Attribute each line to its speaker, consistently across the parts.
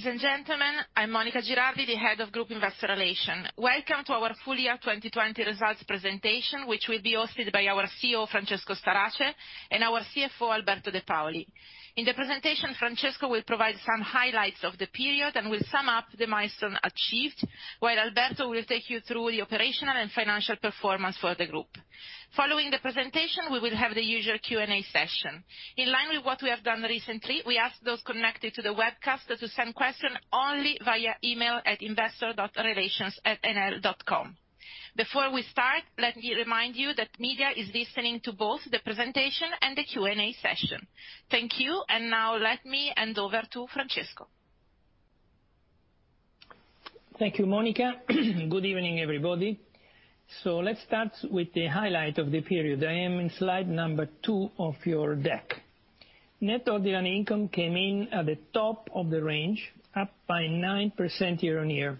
Speaker 1: Ladies and gentlemen, I'm Monica Girardi, the Head of Group Investor Relations. Welcome to our Full Year 2020 Results Presentation, which will be hosted by our CEO, Francesco Starace, and our CFO, Alberto De Paoli. In the presentation, Francesco will provide some highlights of the period and will sum up the milestones achieved, while Alberto will take you through the operational and financial performance for the group. Following the presentation, we will have the usual Q&A session. In line with what we have done recently, we ask those connected to the webcast to send questions only via email at investor.relations@enel.com. Before we start, let me remind you that media is listening to both the presentation and the Q&A session. Thank you, and now let me hand over to Francesco.
Speaker 2: Thank you, Monica. Good evening, everybody. Let's start with the highlight of the period. I am in slide number two of your deck. Net ordinary income came in at the top of the range, up by 9% year on year,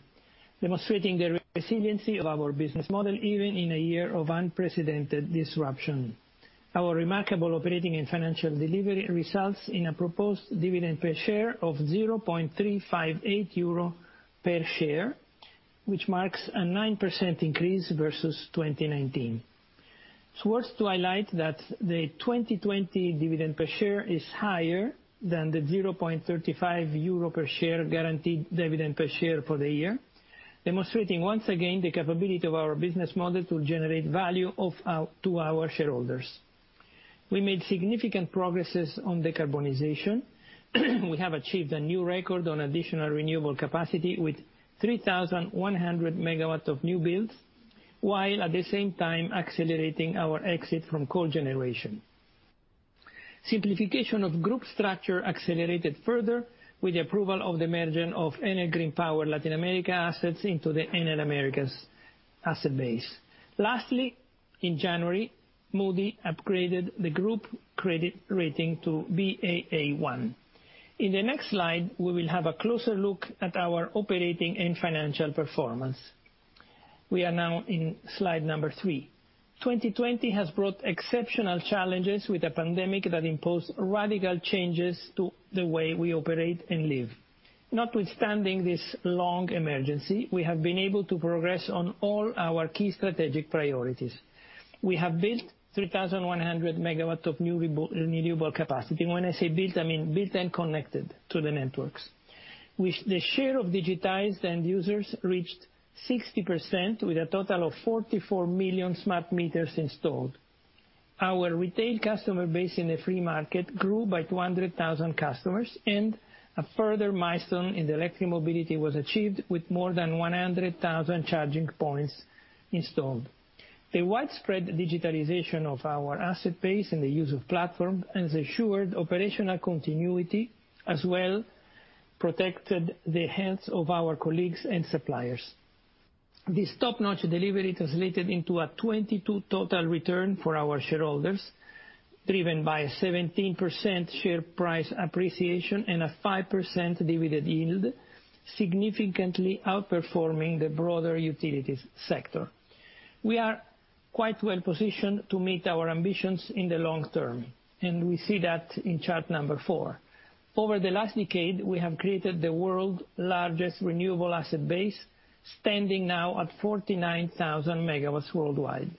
Speaker 2: demonstrating the resiliency of our business model even in a year of unprecedented disruption. Our remarkable operating and financial delivery results in a proposed dividend per share of 0.358 euro per share, which marks a 9% increase versus 2019. It's worth highlighting that the 2020 dividend per share is higher than the 0.35 euro per share guaranteed dividend per share for the year, demonstrating once again the capability of our business model to generate value to our shareholders. We made significant progresses on decarbonization. We have achieved a new record on additional renewable capacity with 3,100 MW of new builds, while at the same time accelerating our exit from coal generation. Simplification of group structure accelerated further with the approval of the merger of Enel Green Power Latin America assets into the Enel Americas asset base. Lastly, in January, Moody's upgraded the group credit rating to Baa1. In the next slide, we will have a closer look at our operating and financial performance. We are now in slide number three. 2020 has brought exceptional challenges with a pandemic that imposed radical changes to the way we operate and live. Notwithstanding this long emergency, we have been able to progress on all our key strategic priorities. We have built 3,100 MW of new renewable capacity. When I say built, I mean built and connected to the networks. The share of digitized end users reached 60% with a total of 44 million smart meters installed. Our retail customer base in the free market grew by 200,000 customers, and a further milestone in the electric mobility was achieved with more than 100,000 charging points installed. The widespread digitalization of our asset base and the use of platforms has ensured operational continuity as well as protected the health of our colleagues and suppliers. This top-notch delivery translated into a 22% total return for our shareholders, driven by a 17% share price appreciation and a 5% dividend yield, significantly outperforming the broader utilities sector. We are quite well positioned to meet our ambitions in the long term, and we see that in chart number four. Over the last decade, we have created the world's largest renewable asset base, standing now at 49,000 MW worldwide.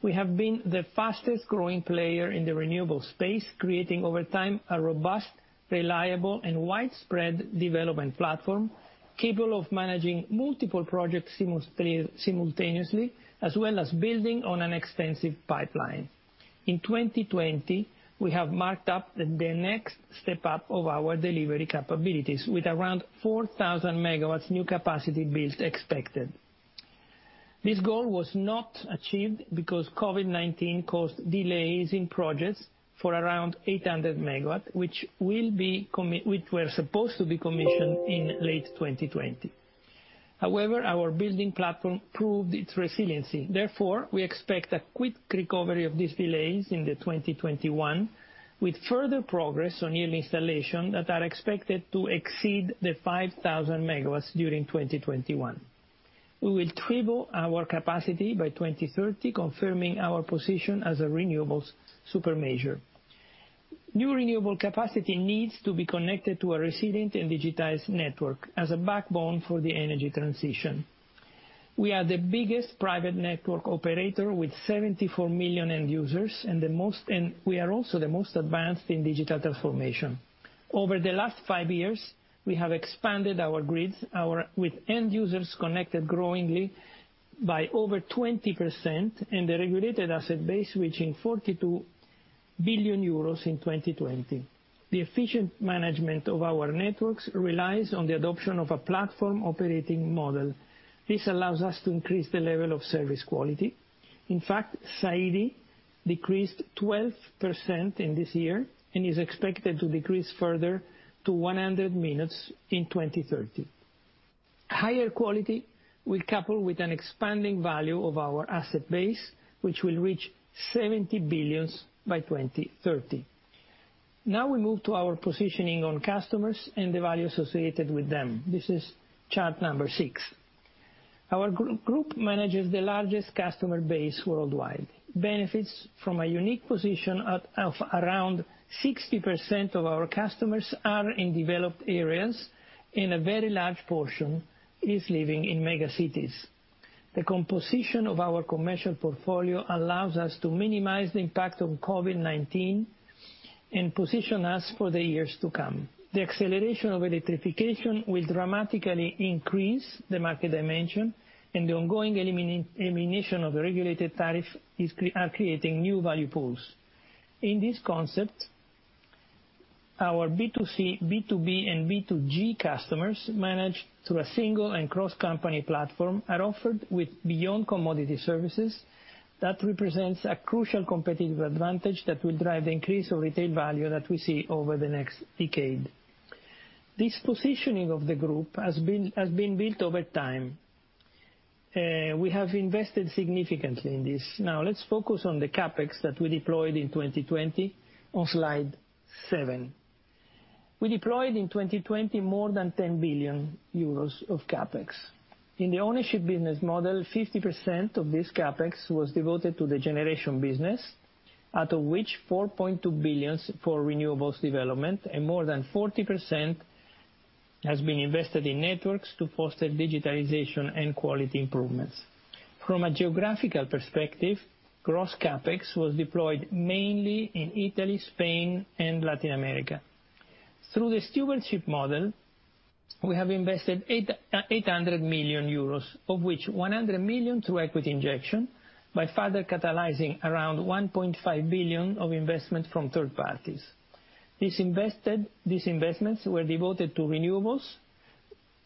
Speaker 2: We have been the fastest growing player in the renewable space, creating over time a robust, reliable, and widespread development platform capable of managing multiple projects simultaneously, as well as building on an extensive pipeline. In 2020, we have marked up the next step up of our delivery capabilities with around 4,000 MW new capacity builds expected. This goal was not achieved because COVID-19 caused delays in projects for around 800 MW, which were supposed to be commissioned in late 2020. However, our building platform proved its resiliency. Therefore, we expect a quick recovery of these delays in 2021, with further progress on new installations that are expected to exceed the 5,000 MW during 2021. We will triple our capacity by 2030, confirming our position as a renewables super major. New renewable capacity needs to be connected to a resilient and digitized network as a backbone for the energy transition. We are the biggest private network operator with 74 million end users, and we are also the most advanced in digital transformation. Over the last five years, we have expanded our grids with end users connected growing by over 20%, and the regulated asset base reaching 42 billion euros in 2020. The efficient management of our networks relies on the adoption of a platform operating model. This allows us to increase the level of service quality. In fact, SAIDI decreased 12% in this year and is expected to decrease further to 100 minutes in 2030. Higher quality will couple with an expanding value of our asset base, which will reach 70 billion by 2030. Now we move to our positioning on customers and the value associated with them. This is chart number six. Our group manages the largest customer base worldwide, benefits from a unique position of around 60% of our customers are in developed areas, and a very large portion is living in mega cities. The composition of our commercial portfolio allows us to minimize the impact of COVID-19 and position us for the years to come. The acceleration of electrification will dramatically increase the market dimension, and the ongoing elimination of the regulated tariffs is creating new value pools. In this concept, our B2C, B2B, and B2G customers managed through a single and cross-company platform are offered with beyond commodity services that represents a crucial competitive advantage that will drive the increase of retail value that we see over the next decade. This positioning of the group has been built over time. We have invested significantly in this. Now let's focus on the CapEx that we deployed in 2020 on slide seven. We deployed in 2020 more than 10 billion euros of CapEx. In the ownership business model, 50% of this CapEx was devoted to the generation business, out of which 4.2 billion for renewables development, and more than 40% has been invested in networks to foster digitalization and quality improvements. From a geographical perspective, gross CapEx was deployed mainly in Italy, Spain, and Latin America. Through the stewardship model, we have invested 800 million euros, of which 100 million through equity injection by further catalyzing around 1.5 billion of investment from third parties. These investments were devoted to renewables,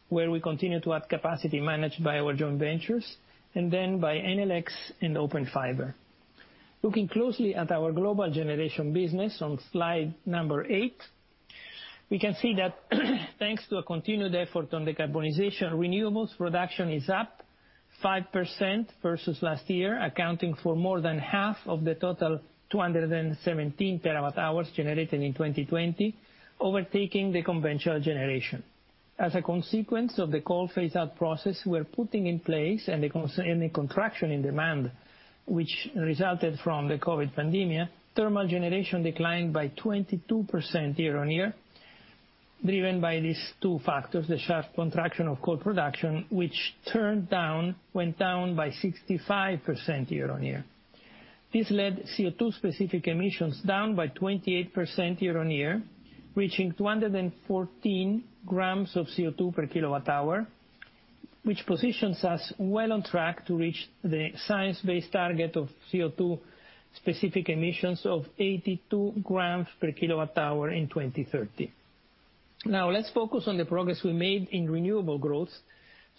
Speaker 2: where we continue to add capacity managed by our joint ventures, and then by Enel X and Open Fiber. Looking closely at our global generation business on slide number eight, we can see that thanks to a continued effort on decarbonization, renewables production is up 5% versus last year, accounting for more than half of the total 217 TWh generated in 2020, overtaking the conventional generation. As a consequence of the coal phase-out process we are putting in place and the contraction in demand, which resulted from the COVID pandemic, thermal generation declined by 22% year on year, driven by these two factors: the sharp contraction of coal production, which went down by 65% year on year. This led CO2-specific emissions down by 28% year on year, reaching 214 grams of CO2 per kilowatt hour, which positions us well on track to reach the science-based target of CO2-specific emissions of 82 grams per kilowatt hour in 2030. Now let's focus on the progress we made in renewable growth.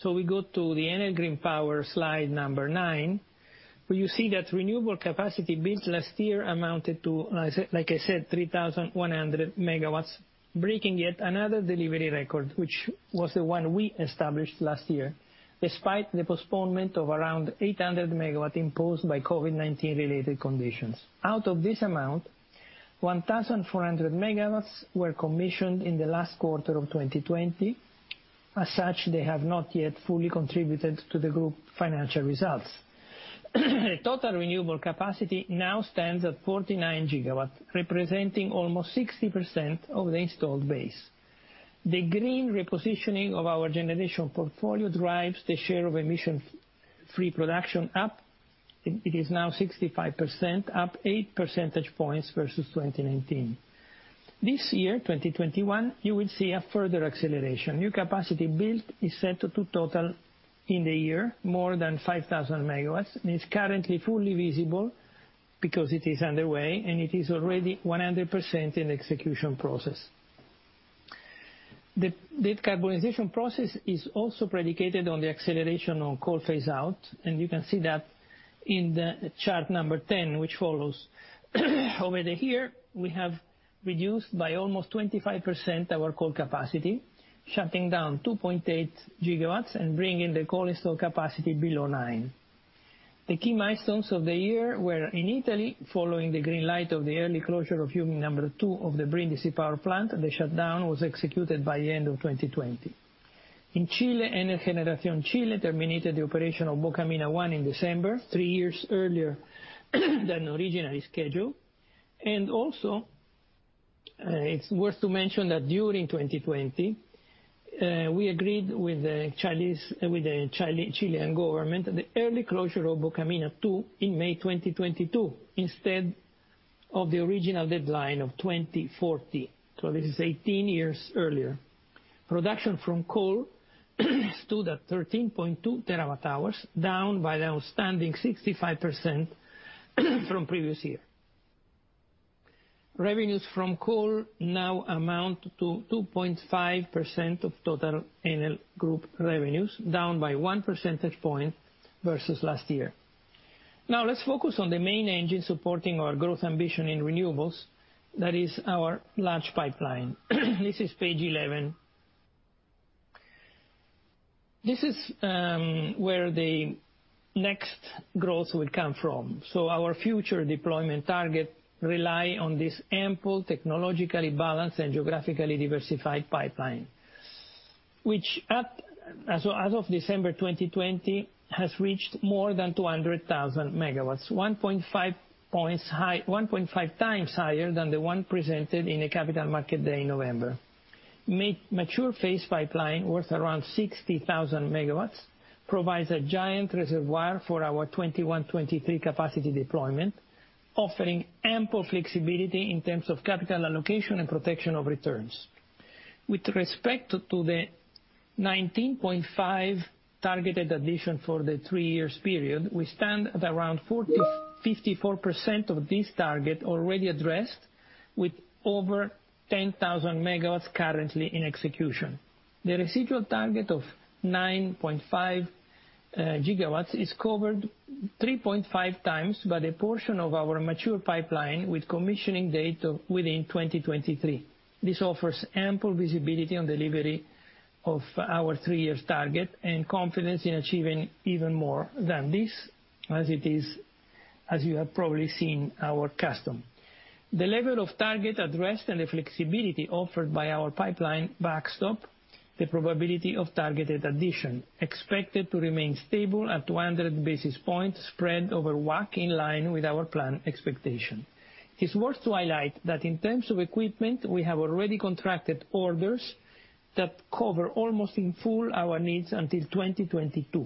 Speaker 2: We go to the Enel Green Power slide number nine, where you see that renewable capacity built last year amounted to, like I said, 3,100 MW, breaking yet another delivery record, which was the one we established last year, despite the postponement of around 800 MW imposed by COVID-19-related conditions. Out of this amount, 1,400 MW were commissioned in the last quarter of 2020. As such, they have not yet fully contributed to the group financial results. The total renewable capacity now stands at 49 GW, representing almost 60% of the installed base. The green repositioning of our generation portfolio drives the share of emission-free production up. It is now 65%, up 8 percentage points versus 2019. This year, 2021, you will see a further acceleration. New capacity built is set to total in the year more than 5,000 MW, and it is currently fully visible because it is underway, and it is already 100% in the execution process. The decarbonization process is also predicated on the acceleration on coal phase-out, and you can see that in the chart number 10, which follows. Over the year, we have reduced by almost 25% our coal capacity, shutting down 2.8 GW and bringing the coal installed capacity below 9. The key milestones of the year were in Italy, following the green light of the early closure of unit number two of the Brindisi Power Plant. The shutdown was executed by the end of 2020. In Chile, Enel Generation Chile terminated the operation of Bocamina I in December, three years earlier than originally scheduled. It is worth to mention that during 2020, we agreed with the Chilean government the early closure of Bocamina II in May 2022, instead of the original deadline of 2040. This is 18 years earlier. Production from coal stood at 13.2 TWh, down by the outstanding 65% from previous year. Revenues from coal now amount to 2.5% of total Enel Group revenues, down by 1 percentage point versus last year. Now let's focus on the main engine supporting our growth ambition in renewables. That is our large pipeline. This is page 11. This is where the next growth will come from. Our future deployment target relies on this ample, technologically balanced, and geographically diversified pipeline, which, as of December 2020, has reached more than 200,000 MW, 1.5x higher than the one presented in the Capital Market Day in November. Mature phase pipeline worth around 60,000 MW provides a giant reservoir for our 2021-2023 capacity deployment, offering ample flexibility in terms of capital allocation and protection of returns. With respect to the 19.5 GW targeted addition for the three-year period, we stand at around 54% of this target already addressed, with over 10,000 MW currently in execution. The residual target of 9.5 GW is covered 3.5x by the portion of our mature pipeline with commissioning date within 2023. This offers ample visibility on delivery of our three-year target and confidence in achieving even more than this, as you have probably seen our custom. The level of target addressed and the flexibility offered by our pipeline backstop the probability of targeted addition expected to remain stable at 200 basis points spread over WACC in line with our planned expectation. It's worth to highlight that in terms of equipment, we have already contracted orders that cover almost in full our needs until 2022.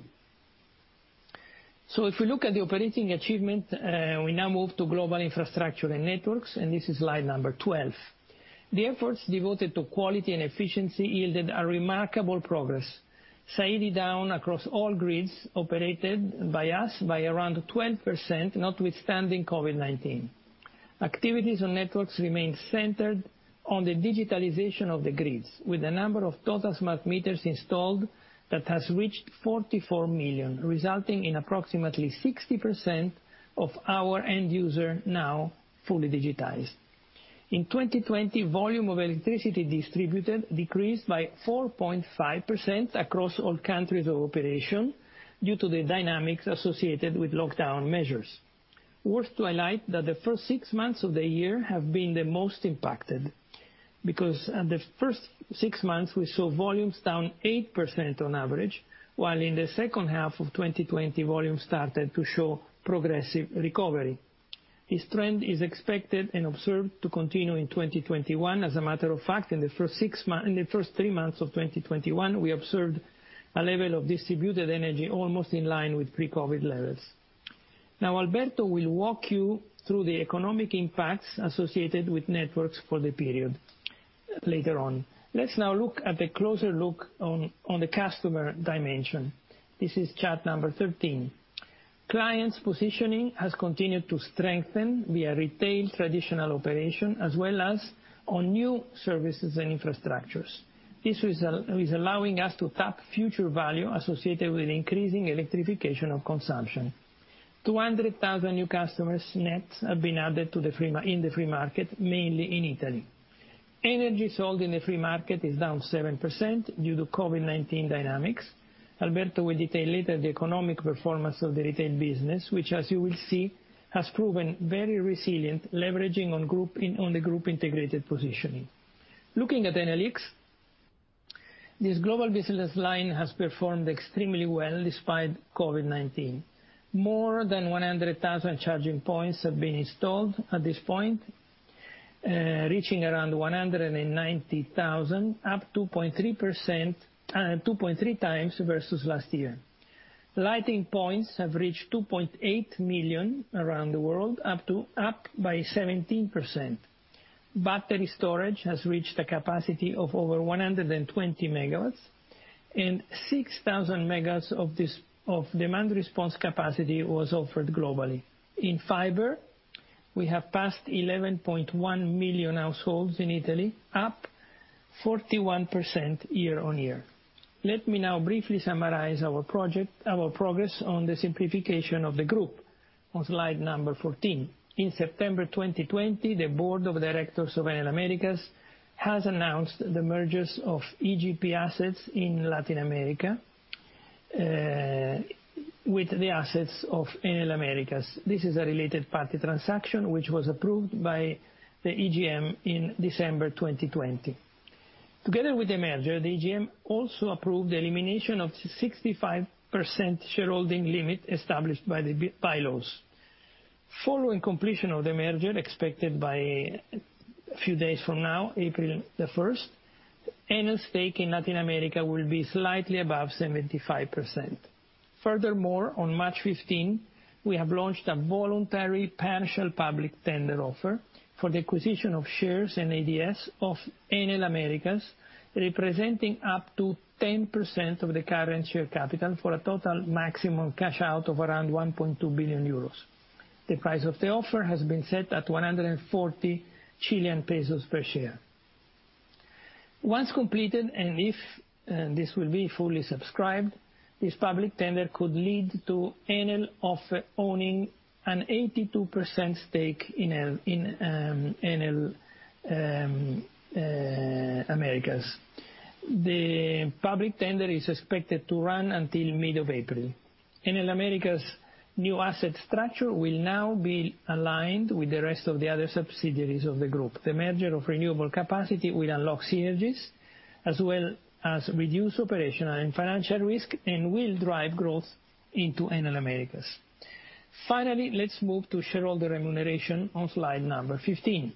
Speaker 2: If we look at the operating achievement, we now move to global infrastructure and networks, and this is slide number 12. The efforts devoted to quality and efficiency yielded a remarkable progress, SAIDI down across all grids operated by us by around 12%, notwithstanding COVID-19. Activities on networks remain centered on the digitalization of the grids, with the number of total smart meters installed that has reached 44 million, resulting in approximately 60% of our end user now fully digitized. In 2020, volume of electricity distributed decreased by 4.5% across all countries of operation due to the dynamics associated with lockdown measures. Worth to highlight that the first six months of the year have been the most impacted because the first six months we saw volumes down 8% on average, while in the second half of 2020, volumes started to show progressive recovery. This trend is expected and observed to continue in 2021. As a matter of fact, in the first three months of 2021, we observed a level of distributed energy almost in line with pre-COVID levels. Now, Alberto will walk you through the economic impacts associated with networks for the period later on. Let's now look at a closer look on the customer dimension. This is chart number 13. Clients' positioning has continued to strengthen via retail traditional operation, as well as on new services and infrastructures. This is allowing us to tap future value associated with increasing electrification of consumption. 200,000 new customers nets have been added in the free market, mainly in Italy. Energy sold in the free market is down 7% due to COVID-19 dynamics. Alberto will detail later the economic performance of the retail business, which, as you will see, has proven very resilient, leveraging on the group integrated positioning. Looking at Enel X, this global business line has performed extremely well despite COVID-19. More than 100,000 charging points have been installed at this point, reaching around 190,000, up 2.3x versus last year. Lighting points have reached 2.8 million around the world, up by 17%. Battery storage has reached a capacity of over 120 MW, and 6,000 MW of demand response capacity was offered globally. In fiber, we have passed 11.1 million households in Italy, up 41% year on year. Let me now briefly summarize our progress on the simplification of the group on slide number 14. In September 2020, the Board of Directors of Enel Americas has announced the mergers of EGP assets in Latin America with the assets of Enel Americas. This is a related party transaction, which was approved by the EGM in December 2020. Together with the merger, the EGM also approved the elimination of the 65% shareholding limit established by the by-laws. Following completion of the merger, expected by a few days from now, April the 1st, Enel's stake in Latin America will be slightly above 75%. Furthermore, on March 15, we have launched a voluntary partial public tender offer for the acquisition of shares and ADS of Enel Americas, representing up to 10% of the current share capital for a total maximum cash out of around 1.2 billion euros. The price of the offer has been set at 140 Chilean pesos per share. Once completed, and if this will be fully subscribed, this public tender could lead to Enel owning an 82% stake in Enel Americas. The public tender is expected to run until mid of April. Enel Americas' new asset structure will now be aligned with the rest of the other subsidiaries of the group. The merger of renewable capacity will unlock synergies as well as reduce operational and financial risk and will drive growth into Enel Americas. Finally, let's move to shareholder remuneration on slide number 15.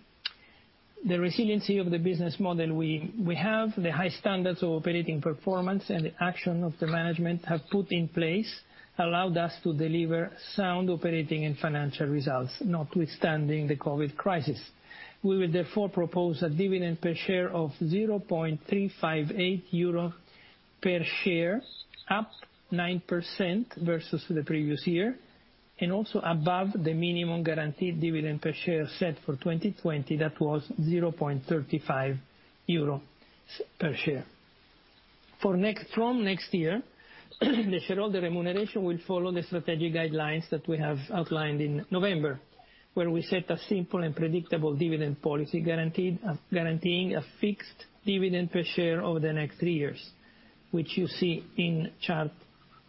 Speaker 2: The resiliency of the business model we have, the high standards of operating performance, and the action of the management have put in place allowed us to deliver sound operating and financial results, notwithstanding the COVID crisis. We will therefore propose a dividend per share of 0.358 euro per share, up 9% versus the previous year, and also above the minimum guaranteed dividend per share set for 2020 that was 0.35 euro per share. From next year, the shareholder remuneration will follow the strategic guidelines that we have outlined in November, where we set a simple and predictable dividend policy, guaranteeing a fixed dividend per share over the next three years, which you see in chart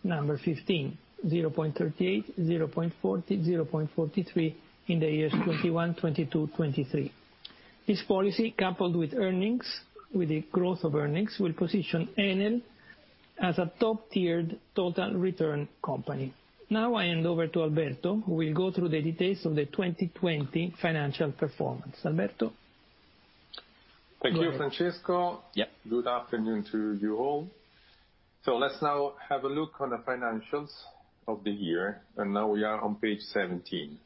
Speaker 2: number 15, 0.38, 0.43 in the years 2021, 2022, 2023. This policy, coupled with the growth of earnings, will position Enel as a top-tiered total return company. Now I hand over to Alberto, who will go through the details of the 2020 financial performance. Alberto?
Speaker 3: Thank you, Francesco. Good afternoon to you all. Let's now have a look on the financials of the year, and now we are on page 17.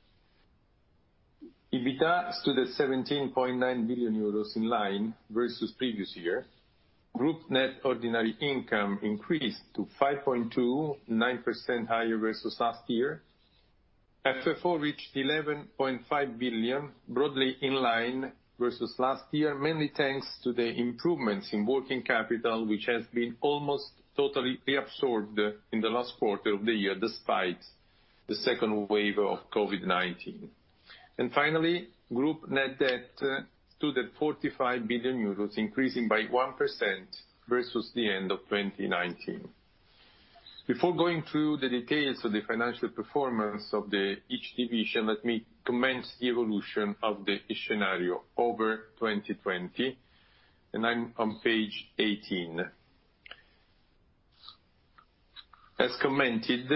Speaker 3: EBITDA stood at 17.9 billion euros in line versus previous year. Group net ordinary income increased to 5.2 billion, 9% higher versus last year. FFO reached 11.5 billion, broadly in line versus last year, mainly thanks to the improvements in working capital, which has been almost totally reabsorbed in the last quarter of the year despite the second wave of COVID-19. Finally, group net debt stood at 45 billion euros, increasing by 1% versus the end of 2019. Before going through the details of the financial performance of each division, let me comment on the evolution of the scenario over 2020, and I'm on page 18. As commented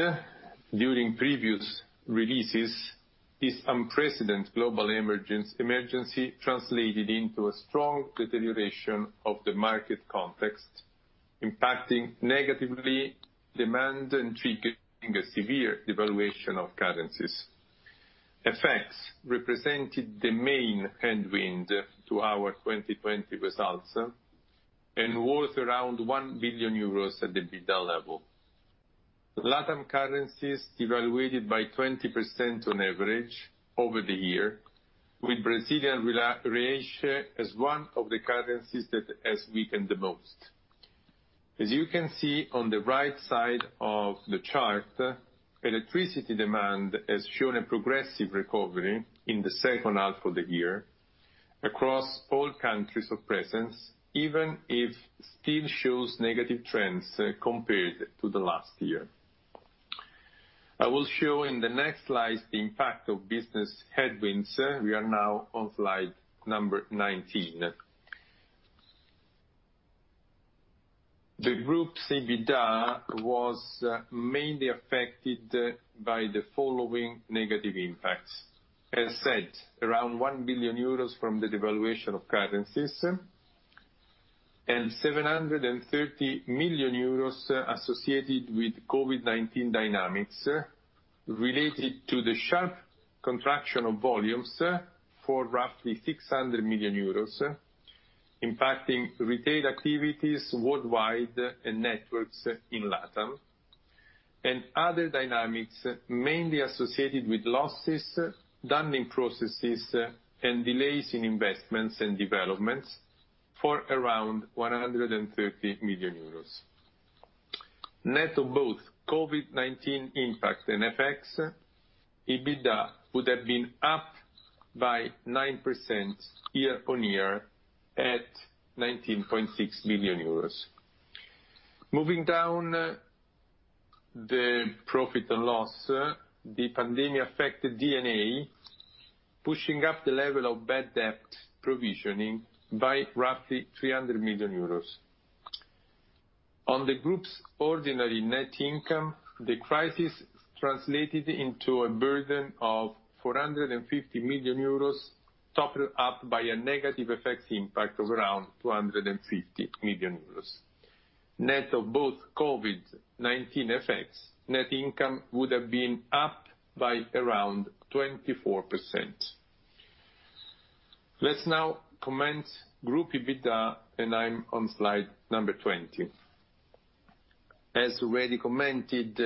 Speaker 3: during previous releases, this unprecedented global emergency translated into a strong deterioration of the market context, impacting negatively demand and triggering a severe devaluation of currencies. Effects represented the main headwind to our 2020 results and worth around 1 billion euros at the EBITDA level. LATAM currencies devaluated by 20% on average over the year, with Brazilian reais as one of the currencies that has weakened the most. As you can see on the right side of the chart, electricity demand has shown a progressive recovery in the second half of the year across all countries of presence, even if it still shows negative trends compared to the last year. I will show in the next slides the impact of business headwinds. We are now on slide number 19. The group's EBITDA was mainly affected by the following negative impacts. As said, around 1 billion euros from the devaluation of currencies and 730 million euros associated with COVID-19 dynamics related to the sharp contraction of volumes for roughly 600 million euros, impacting retail activities worldwide and networks in LATAM, and other dynamics mainly associated with losses, dumping processes, and delays in investments and developments for around 130 million euros. Net of both COVID-19 impact and effects, EBITDA would have been up by 9% year on year at 19.6 million euros. Moving down the profit and loss, the pandemic affected D&A, pushing up the level of bad debt provisioning by roughly 300 million euros. On the group's ordinary net income, the crisis translated into a burden of 450 million euros, topped up by a negative effects impact of around 250 million euros. Net of both COVID-19 effects, net income would have been up by around 24%. Let's now comment on group EBITDA, and I'm on slide number 20. As already commented,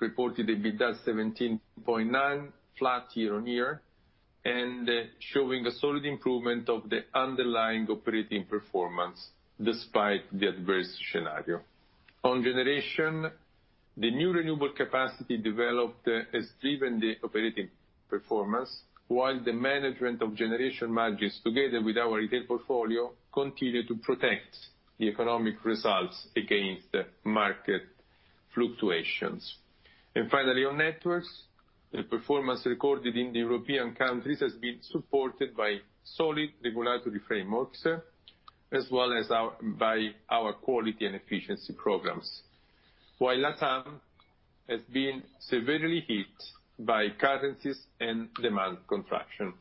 Speaker 3: reported EBITDA 17.9 billion, flat year on year, and showing a solid improvement of the underlying operating performance despite the adverse scenario. On generation, the new renewable capacity developed has driven the operating performance, while the management of generation margins together with our retail portfolio continue to protect the economic results against market fluctuations. Finally, on networks, the performance recorded in the European countries has been supported by solid regulatory frameworks, as well as by our quality and efficiency programs, while LATAM has been severely hit by currencies and demand contraction.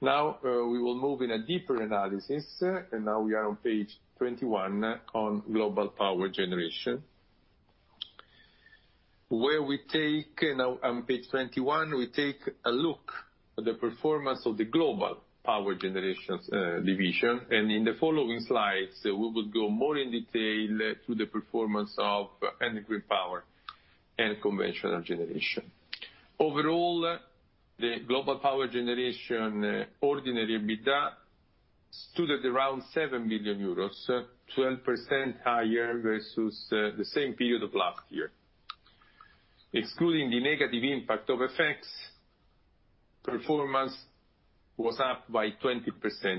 Speaker 3: Now we will move in a deeper analysis, and now we are on page 21 on global power generation, where we take on page 21, we take a look at the performance of the global power generation division, and in the following slides, we will go more in detail to the performance of energy power and conventional generation. Overall, the global power generation ordinary EBITDA stood at around 7 billion euros, 12% higher versus the same period of last year. Excluding the negative impact of effects, performance was up by 20%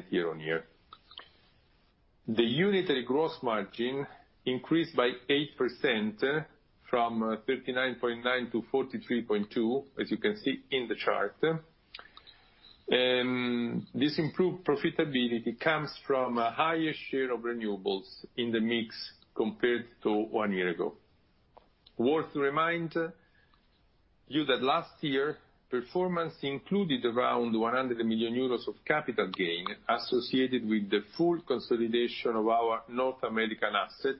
Speaker 3: year on year. The unitary gross margin increased by 8% from 39.9 to 43.2, as you can see in the chart. This improved profitability comes from a higher share of renewables in the mix compared to one year ago. Worth to remind you that last year, performance included around 100 million euros of capital gain associated with the full consolidation of our North American asset,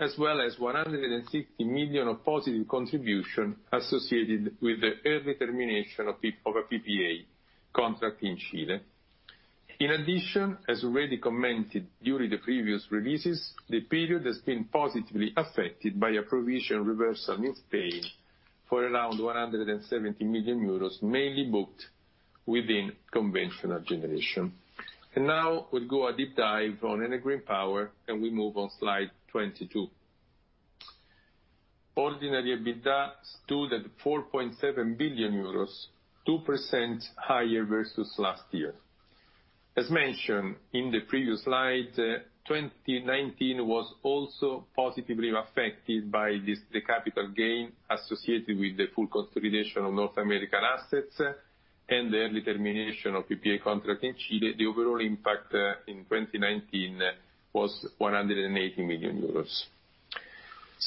Speaker 3: as well as 160 million of positive contribution associated with the early termination of a PPA contract in Chile. In addition, as already commented during the previous releases, the period has been positively affected by a provision reversal in Spain for around 170 million euros, mainly booked within conventional generation. Now we will go a deep dive on Enel Green Power, and we move on slide 22. Ordinary EBITDA stood at 4.7 billion euros, 2% higher versus last year. As mentioned in the previous slide, 2019 was also positively affected by this capital gain associated with the full consolidation of North American assets and the early termination of PPA contract in Chile. The overall impact in 2019 was 180 million euros.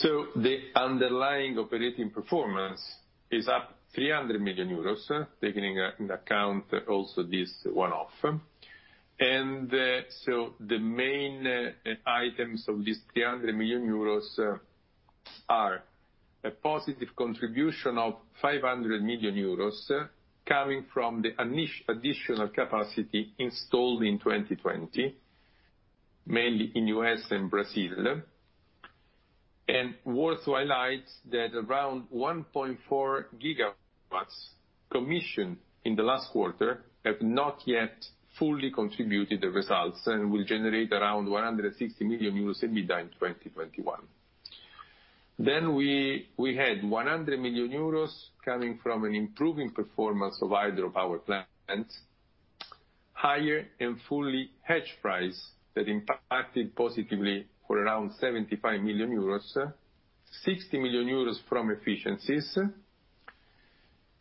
Speaker 3: The underlying operating performance is up 300 million euros, taking into account also this one-off. The main items of this 300 million euros are a positive contribution of 500 million euros coming from the additional capacity installed in 2020, mainly in the U.S. and Brazil. It is worth highlighting that around 1.4 GW commissioned in the last quarter have not yet fully contributed to the results and will generate around 160 million euros EBITDA in 2021. We had 100 million euros coming from an improving performance of either of our plants, higher and fully hedged price that impacted positively for around 75 million euros, 60 million euros from efficiencies.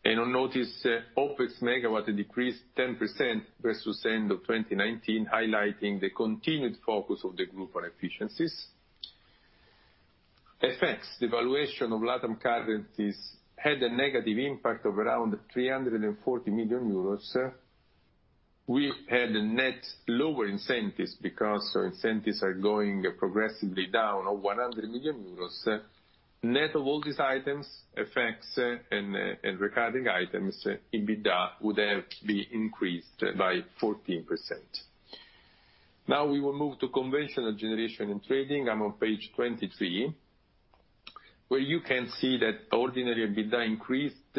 Speaker 3: On notice, OpEx per megawatt decreased 10% versus the end of 2019, highlighting the continued focus of the group on efficiencies. FX, devaluation of LATAM currencies had a negative impact of around 340 million euros. We had net lower incentives because incentives are going progressively down of 100 million euros. Net of all these items, effects, and recurring items, EBITDA would have been increased by 14%. Now we will move to conventional generation and trading. I'm on page 23, where you can see that ordinary EBITDA increased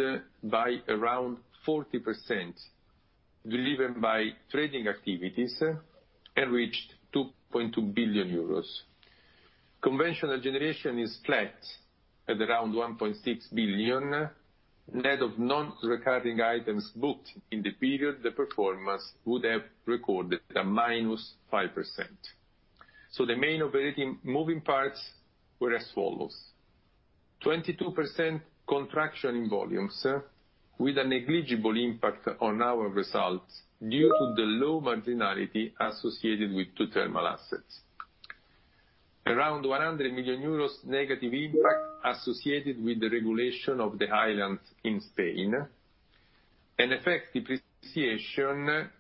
Speaker 3: by around 40% driven by trading activities and reached 2.2 billion euros. Conventional generation is flat at around 1.6 billion. Net of non-recurring items booked in the period, the performance would have recorded a minus 5%. The main operating moving parts were as follows: 22% contraction in volumes with a negligible impact on our results due to the low marginality associated with two thermal assets, around 100 million euros negative impact associated with the regulation of the island in Spain, and effective appreciation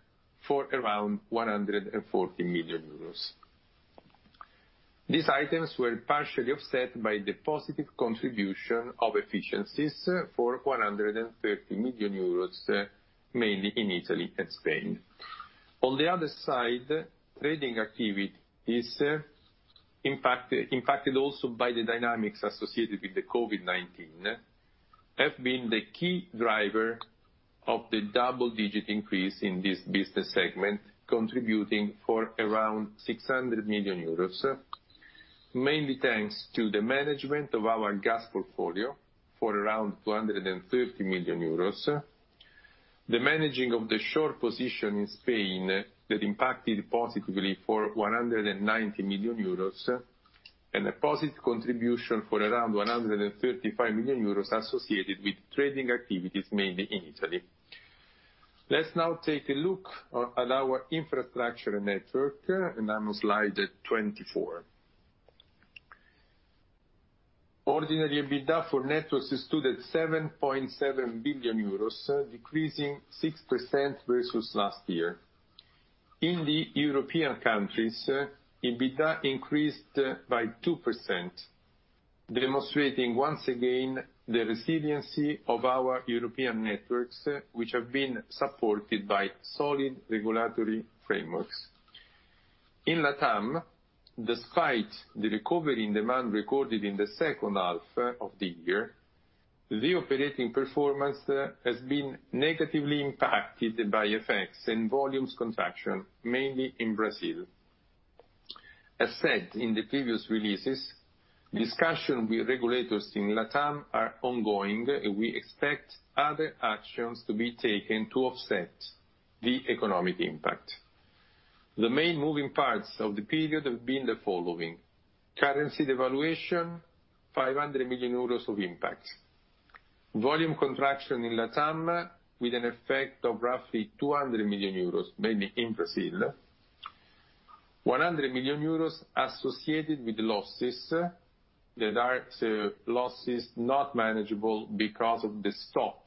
Speaker 3: for around 140 million euros. These items were partially offset by the positive contribution of efficiencies for 130 million euros, mainly in Italy and Spain. On the other side, trading activities impacted also by the dynamics associated with the COVID-19 have been the key driver of the double-digit increase in this business segment, contributing for around 600 million euros, mainly thanks to the management of our gas portfolio for around 230 million euros, the managing of the short position in Spain that impacted positively for 190 million euros, and a positive contribution for around 135 million euros associated with trading activities mainly in Italy. Let's now take a look at our infrastructure network, and I'm on slide 24. Ordinary EBITDA for networks stood at 7.7 billion euros, decreasing 6% versus last year. In the European countries, EBITDA increased by 2%, demonstrating once again the resiliency of our European networks, which have been supported by solid regulatory frameworks. In LATAM, despite the recovery in demand recorded in the second half of the year, the operating performance has been negatively impacted by effects and volumes contraction, mainly in Brazil. As said in the previous releases, discussions with regulators in LATAM are ongoing, and we expect other actions to be taken to offset the economic impact. The main moving parts of the period have been the following: currency devaluation, 500 million euros of impact, volume contraction in LATAM with an effect of roughly 200 million euros, mainly in Brazil, 100 million euros associated with losses that are losses not manageable because of the stop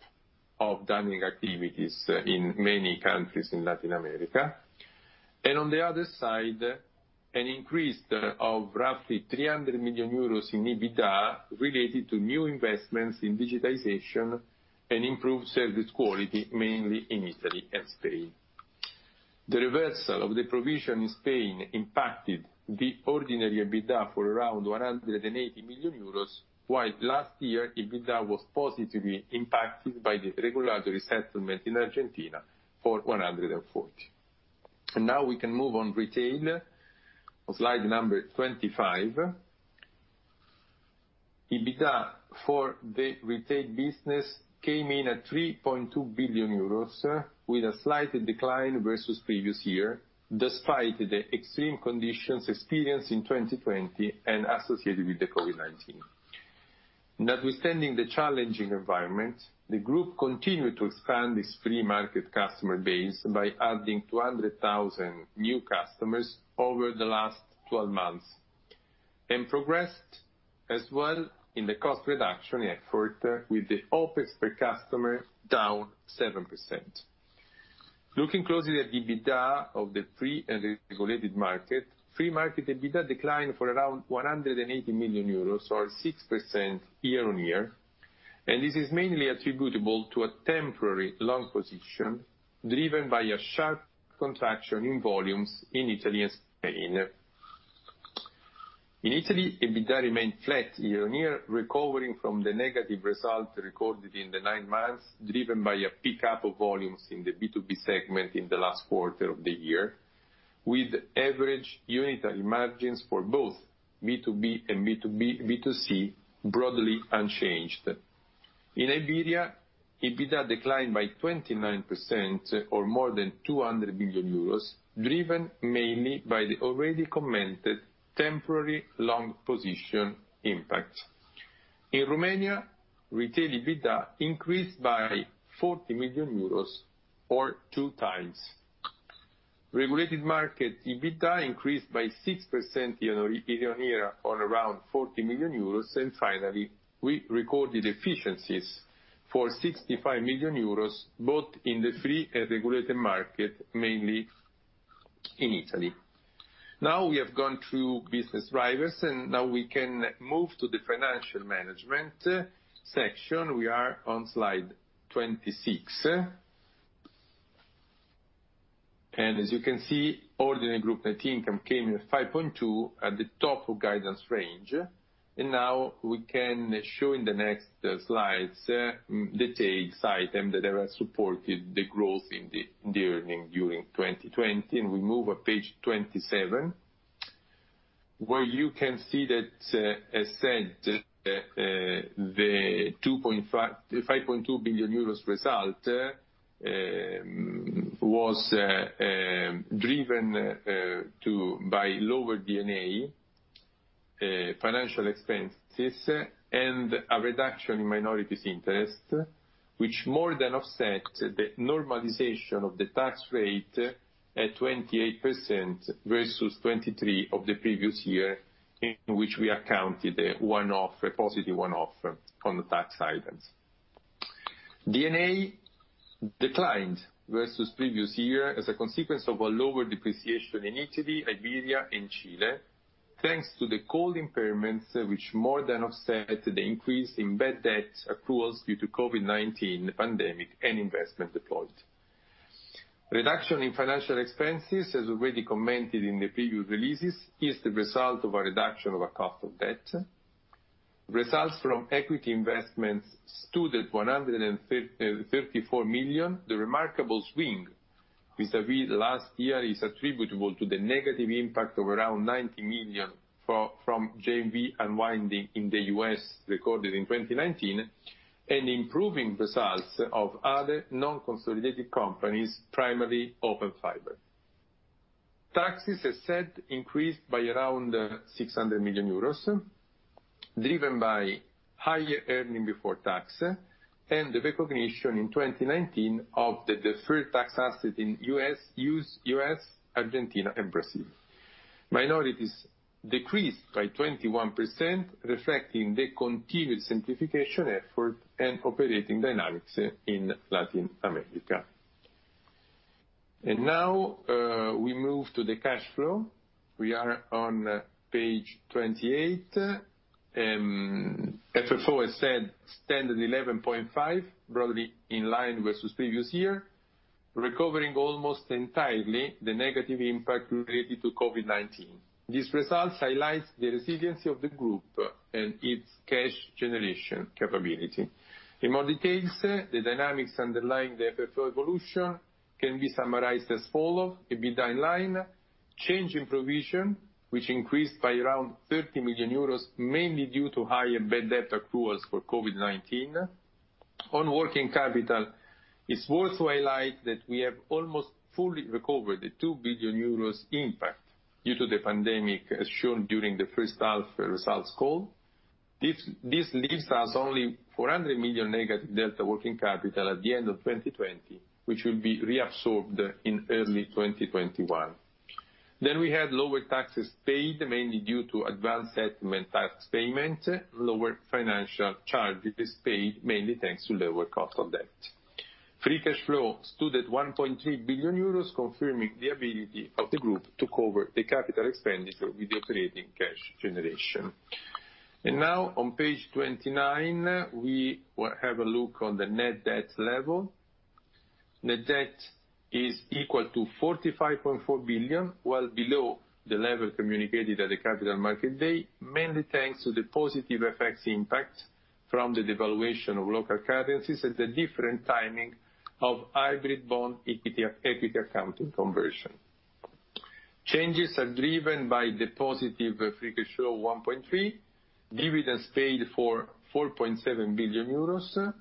Speaker 3: of dumping activities in many countries in Latin America, and on the other side, an increase of roughly 300 million euros in EBITDA related to new investments in digitization and improved service quality, mainly in Italy and Spain. The reversal of the provision in Spain impacted the ordinary EBITDA for around 180 million euros, while last year EBITDA was positively impacted by the regulatory settlement in Argentina for 140 million. Now we can move on retail on slide number 25. EBITDA for the retail business came in at 3.2 billion euros, with a slight decline versus previous year, despite the extreme conditions experienced in 2020 and associated with the COVID-19. Notwithstanding the challenging environment, the group continued to expand its pre-market customer base by adding 200,000 new customers over the last 12 months and progressed as well in the cost reduction effort with the OpEx per customer down 7%. Looking closely at EBITDA of the pre-regulated market, pre-market EBITDA declined for around 180 million euros, or 6% year on year, and this is mainly attributable to a temporary long position driven by a sharp contraction in volumes in Italy and Spain. In Italy, EBITDA remained flat year on year, recovering from the negative result recorded in the nine months driven by a pickup of volumes in the B2B segment in the last quarter of the year, with average unitary margins for both B2B and B2C broadly unchanged. In Iberia, EBITDA declined by 29% or more than 200 million euros, driven mainly by the already commented temporary long position impact. In Romania, retail EBITDA increased by 40 million euros, or two times. Regulated market EBITDA increased by 6% year on year on around 40 million euros, and finally, we recorded efficiencies for 65 million euros both in the free and regulated market, mainly in Italy. Now we have gone through business drivers, and now we can move to the financial management section. We are on slide 26. As you can see, ordinary group net income came in at 5.2 billion at the top of guidance range. Now we can show in the next slides the details item that have supported the growth in the earning during 2020. We move on page 27, where you can see that, as said, the 5.2 billion euros result was driven by lower D&A, financial expenses, and a reduction in minorities interest, which more than offset the normalization of the tax rate at 28% versus 23% of the previous year, in which we accounted a positive one-off on the tax items. D&A declined versus previous year as a consequence of a lower depreciation in Italy, Iberia, and Chile, thanks to the cold impairments, which more than offset the increase in bad debt accruals due to the COVID-19 pandemic and investment deployed. Reduction in financial expenses, as already commented in the previous releases, is the result of a reduction of a cost of debt. Results from equity investments stood at 134 million. The remarkable swing vis-à-vis last year is attributable to the negative impact of around 90 million from JV unwinding in the U.S. recorded in 2019 and improving results of other non-consolidated companies, primarily Open Fiber. Taxes, as said, increased by around 600 million euros, driven by higher earning before tax and the recognition in 2019 of the deferred tax asset in the U.S., U.S., Argentina, and Brazil. Minorities decreased by 21%, reflecting the continued simplification effort and operating dynamics in Latin America. We now move to the cash flow. We are on page 28. FFO, as said, stand at 11.5 billion, broadly in line versus previous year, recovering almost entirely the negative impact related to COVID-19. These results highlight the resiliency of the group and its cash generation capability. In more detail, the dynamics underlying the FFO evolution can be summarized as follows: EBITDA in line, change in provision, which increased by around 30 million euros, mainly due to higher bad debt accruals for COVID-19. On working capital, it's worth to highlight that we have almost fully recovered the 2 billion euros impact due to the pandemic, as shown during the first half results call. This leaves us only 400 million negative delta working capital at the end of 2020, which will be reabsorbed in early 2021. We had lower taxes paid, mainly due to advanced settlement tax payment, lower financial charges paid, mainly thanks to lower cost of debt. Free cash flow stood at 1.3 billion euros, confirming the ability of the group to cover the capital expenditure with the operating cash generation. Now, on page 29, we have a look on the net debt level. Net debt is equal to 45.4 billion, well below the level communicated at the Capital Market Day, mainly thanks to the positive effects impact from the devaluation of local currencies at the different timing of hybrid bond equity accounting conversion. Changes are driven by the positive free cash flow of 1.3 billion, dividends paid for 4.7 billion euros,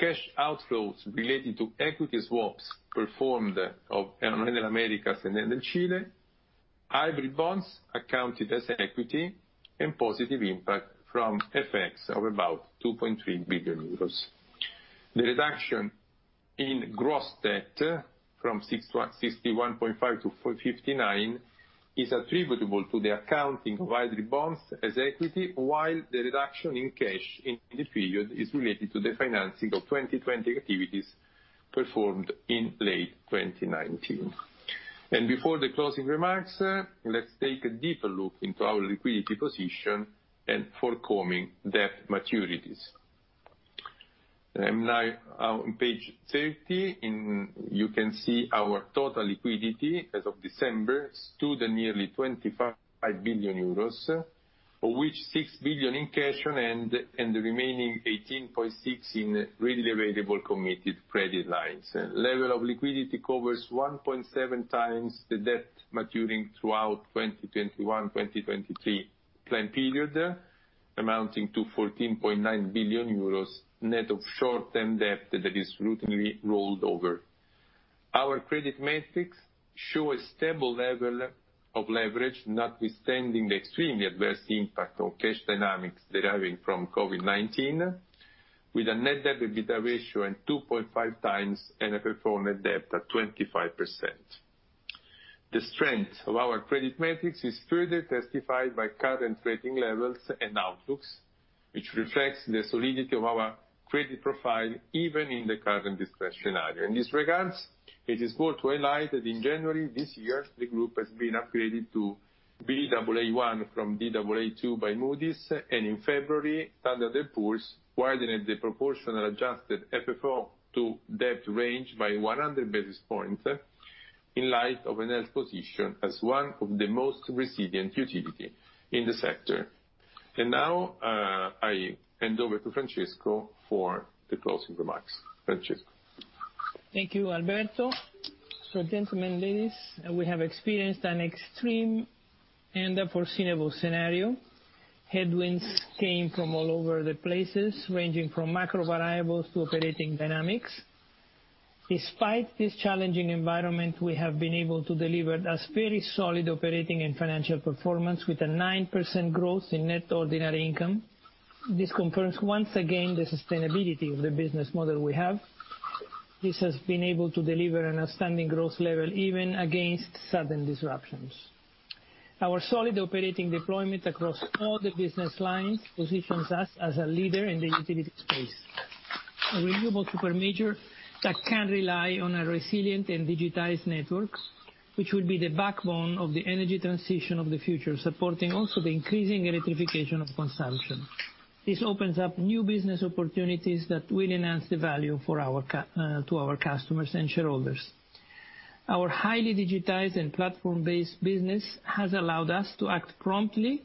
Speaker 3: cash outflows related to equity swaps performed in Latin America and Chile, hybrid bonds accounted as equity, and positive impact from FX of about 2.3 billion euros. The reduction in gross debt from 61.5 billion to 59 billion is attributable to the accounting of hybrid bonds as equity, while the reduction in cash in the period is related to the financing of 2020 activities performed in late 2019. Before the closing remarks, let's take a deeper look into our liquidity position and forthcoming debt maturities. Now, on page 30, you can see our total liquidity as of December stood at nearly 25 billion euros, of which 6 billion in cash on hand and the remaining 18.6 billion in readily available committed credit lines. Level of liquidity covers 1.7x the debt maturing throughout the 2021-2023 planned period, amounting to 14.9 billion euros net of short-term debt that is routinely rolled over. Our credit metrics show a stable level of leverage, notwithstanding the extremely adverse impact on cash dynamics deriving from COVID-19, with a net debt-to-EBITDA ratio at 2.5x and a performance debt at 25%. The strength of our credit metrics is further testified by current rating levels and outlooks, which reflects the solidity of our credit profile even in the current discretionary. In this regard, it is worth to highlight that in January this year, the group has been upgraded to Baa1 from Baa2 by Moody's, and in February, Standard & Poor's widened the proportional adjusted FFO to debt range by 100 basis points in light of Enel's position as one of the most resilient utilities in the sector. I hand over to Francesco for the closing remarks. Francesco.
Speaker 2: Thank you, Alberto. Gentlemen, ladies, we have experienced an extreme and unforeseeable scenario. Headwinds came from all over the places, ranging from macro variables to operating dynamics. Despite this challenging environment, we have been able to deliver a very solid operating and financial performance with a 9% growth in net ordinary income. This confirms once again the sustainability of the business model we have. This has been able to deliver an outstanding growth level even against sudden disruptions. Our solid operating deployment across all the business lines positions us as a leader in the utility space, a renewable super major that can rely on a resilient and digitized network, which will be the backbone of the energy transition of the future, supporting also the increasing electrification of consumption. This opens up new business opportunities that will enhance the value to our customers and shareholders. Our highly digitized and platform-based business has allowed us to act promptly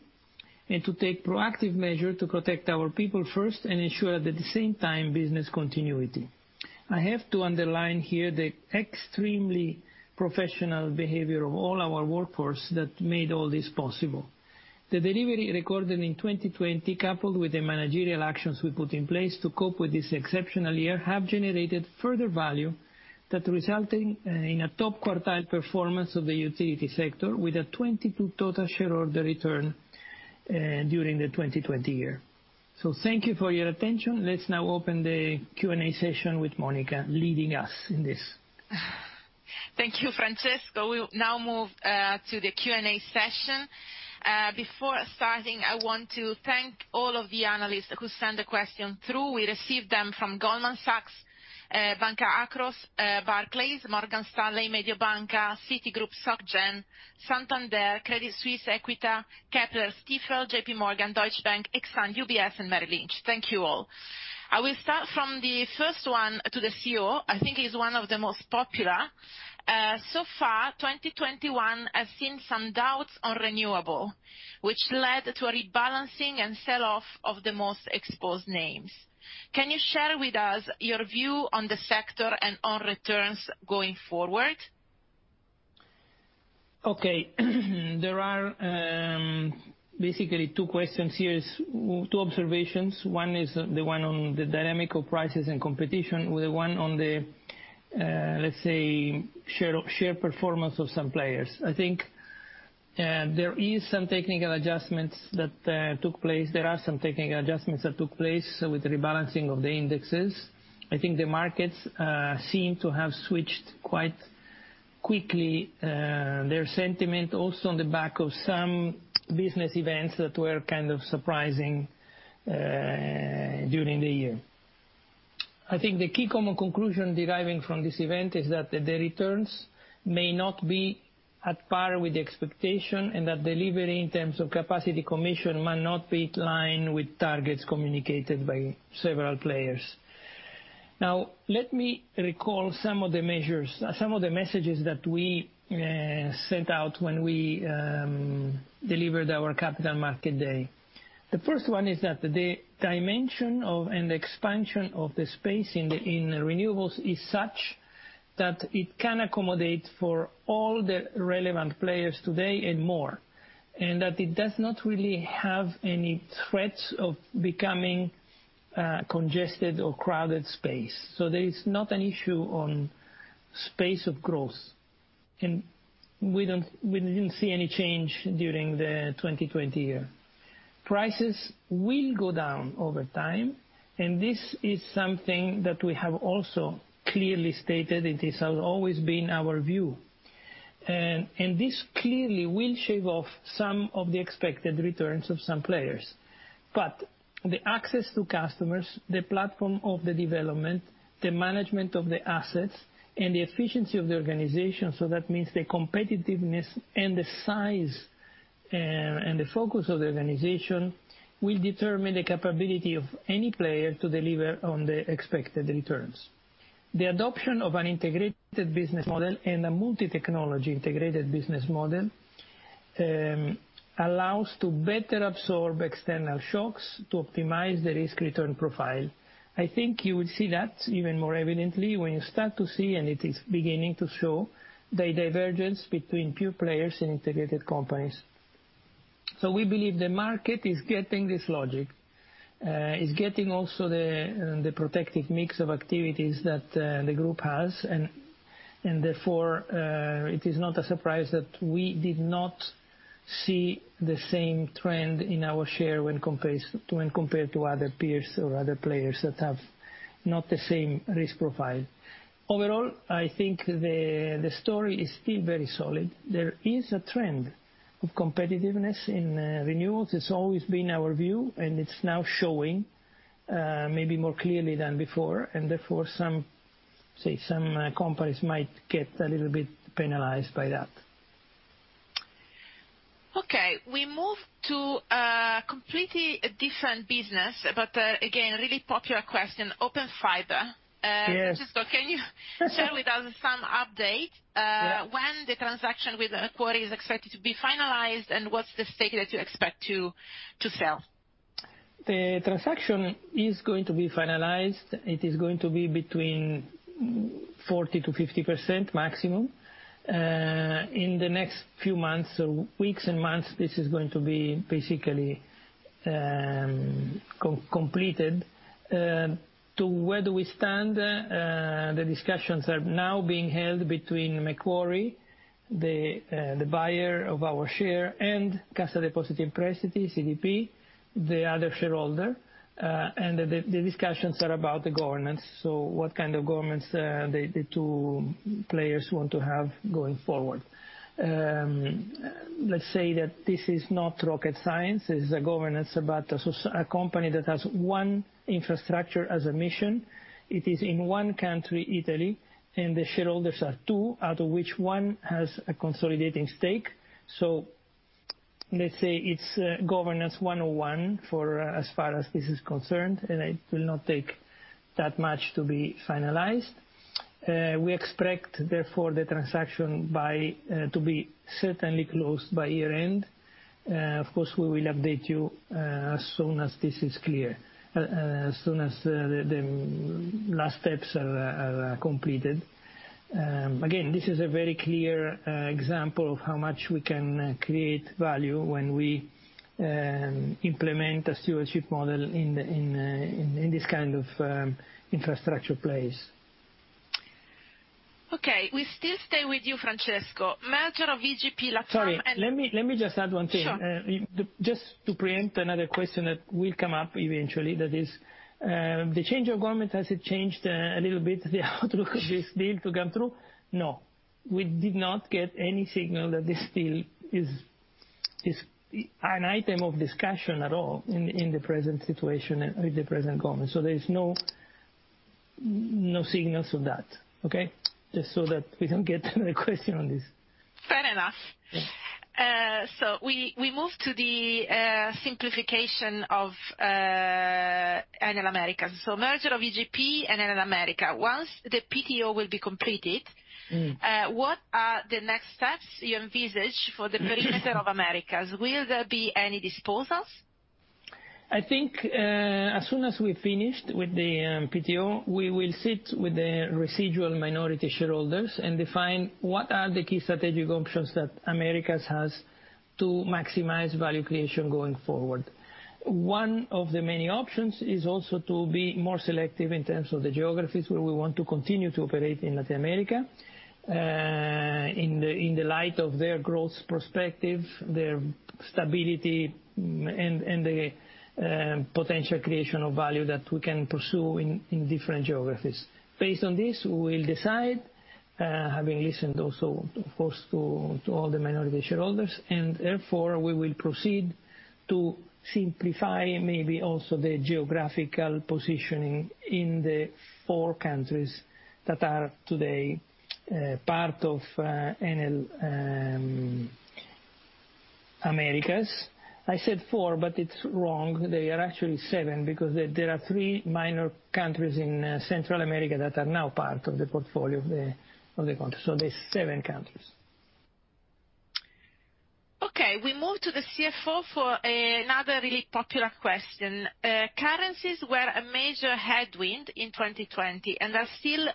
Speaker 2: and to take proactive measures to protect our people first and ensure, at the same time, business continuity. I have to underline here the extremely professional behavior of all our workforce that made all this possible. The delivery recorded in 2020, coupled with the managerial actions we put in place to cope with this exceptional year, have generated further value that resulted in a top quartile performance of the utility sector, with a 22% total shareholder return during the 2020 year. Thank you for your attention. Let's now open the Q&A session with Monica leading us in this.
Speaker 1: Thank you, Francesco. We'll now move to the Q&A session. Before starting, I want to thank all of the analysts who sent the questions through. We received them from Goldman Sachs, Banca Akros, Barclays, Morgan Stanley, Mediobanca, Citigroup, Société Générale, Santander, Credit Suisse, Kepler Cheuvreux, Stifel, JPMorgan, Deutsche Bank, Exxon, UBS, and Merrill Lynch. Thank you all. I will start from the first one to the CEO. I think he's one of the most popular. So far, 2021 has seen some doubts on renewable, which led to a rebalancing and sell-off of the most exposed names. Can you share with us your view on the sector and on returns going forward?
Speaker 2: Okay. There are basically two questions here, two observations. One is the one on the dynamic of prices and competition, with the one on the, let's say, share performance of some players. I think there are some technical adjustments that took place. There are some technical adjustments that took place with the rebalancing of the indexes. I think the markets seem to have switched quite quickly. Their sentiment, also on the back of some business events that were kind of surprising during the year. I think the key common conclusion deriving from this event is that the returns may not be at par with the expectation and that delivery in terms of capacity commission might not be in line with targets communicated by several players. Now, let me recall some of the measures, some of the messages that we sent out when we delivered our Capital Market ay. The first one is that the dimension of and expansion of the space in renewables is such that it can accommodate for all the relevant players today and more, and that it does not really have any threats of becoming a congested or crowded space. There is not an issue on space of growth, and we did not see any change during the 2020 year. Prices will go down over time, and this is something that we have also clearly stated. It has always been our view. This clearly will shave off some of the expected returns of some players. The access to customers, the platform of the development, the management of the assets, and the efficiency of the organization, meaning the competitiveness and the size and the focus of the organization, will determine the capability of any player to deliver on the expected returns. The adoption of an integrated business model and a multi-technology integrated business model allows us to better absorb external shocks to optimize the risk-return profile. I think you will see that even more evidently when you start to see, and it is beginning to show, the divergence between pure players and integrated companies. We believe the market is getting this logic. It's getting also the protective mix of activities that the group has, and therefore, it is not a surprise that we did not see the same trend in our share when compared to other peers or other players that have not the same risk profile. Overall, I think the story is still very solid. There is a trend of competitiveness in renewables. It's always been our view, and it's now showing maybe more clearly than before, and therefore, some companies might get a little bit penalized by that.
Speaker 1: Okay. We move to a completely different business, but again, really popular question, Open Fiber. Francesco, can you share with us some update? When the transaction with Ecuador is expected to be finalized, and what's the stake that you expect to sell?
Speaker 2: The transaction is going to be finalized. It is going to be between 40-50% maximum. In the next few months, weeks, and months, this is going to be basically completed. To where do we stand? The discussions are now being held between Macquarie, the buyer of our share, and Cassa Depositi e Prestiti, CDP, the other shareholder. The discussions are about the governance, so what kind of governance the two players want to have going forward. Let's say that this is not rocket science. It is a governance about a company that has one infrastructure as a mission. It is in one country, Italy, and the shareholders are two, out of which one has a consolidating stake. Let's say it's governance 101 as far as this is concerned, and it will not take that much to be finalized. We expect, therefore, the transaction to be certainly closed by year-end. Of course, we will update you as soon as this is clear, as soon as the last steps are completed. Again, this is a very clear example of how much we can create value when we implement a stewardship model in this kind of infrastructure place.
Speaker 1: Okay. We still stay with you, Francesco. Manager of VGP LATAM.
Speaker 2: Sorry. Let me just add one thing. Sure. Just to preempt another question that will come up eventually, that is, the change of government, has it changed a little bit the outlook of this deal to come through? No. We did not get any signal that this deal is an item of discussion at all in the present situation with the present government. There are no signals of that, okay? Just so that we do not get another question on this.
Speaker 1: Fair enough. We move to the simplification of Enel Americas. Merger of VGP and Enel Americas. Once the PTO will be completed, what are the next steps you envisage for the perimeter of Americas? Will there be any disposals?
Speaker 2: I think as soon as we finished with the PTO, we will sit with the residual minority shareholders and define what are the key strategic options that Americas has to maximize value creation going forward. One of the many options is also to be more selective in terms of the geographies where we want to continue to operate in Latin America, in the light of their growth perspective, their stability, and the potential creation of value that we can pursue in different geographies. Based on this, we will decide, having listened also, of course, to all the minority shareholders, and therefore, we will proceed to simplify maybe also the geographical positioning in the four countries that are today part of Enel Americas. I said four, but it is wrong. They are actually seven because there are three minor countries in Central America that are now part of the portfolio of the country. There are seven countries.
Speaker 1: Okay. We move to the CFO for another really popular question. Currencies were a major headwind in 2020 and are still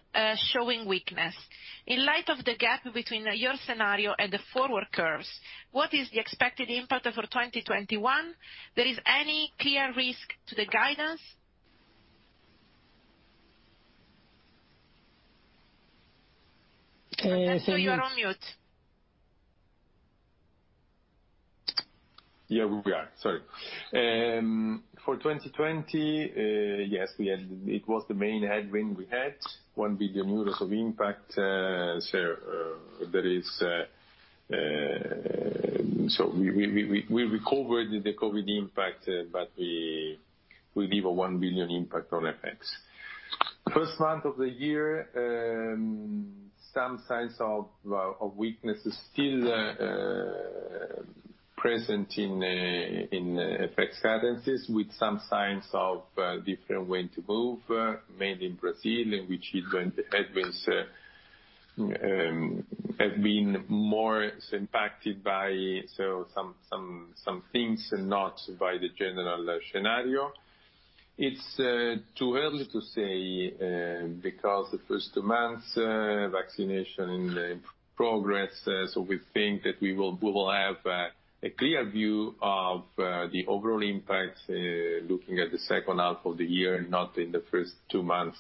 Speaker 1: showing weakness. In light of the gap between your scenario and the forward curves, what is the expected impact for 2021? Is there any clear risk to the guidance? Francesco, you are on mute.
Speaker 3: Yeah, we are. Sorry. For 2020, yes, it was the main headwind we had, 1 billion euros of impact. We recovered the COVID impact, but we leave a 1 billion impact on FX. First month of the year, some signs of weakness are still present in FX currencies, with some signs of different way to move, mainly in Brazil, in which headwinds have been more impacted by some things and not by the general scenario. It's too early to say because the first two months, vaccination in progress, so we think that we will have a clear view of the overall impact looking at the second half of the year, not in the first two months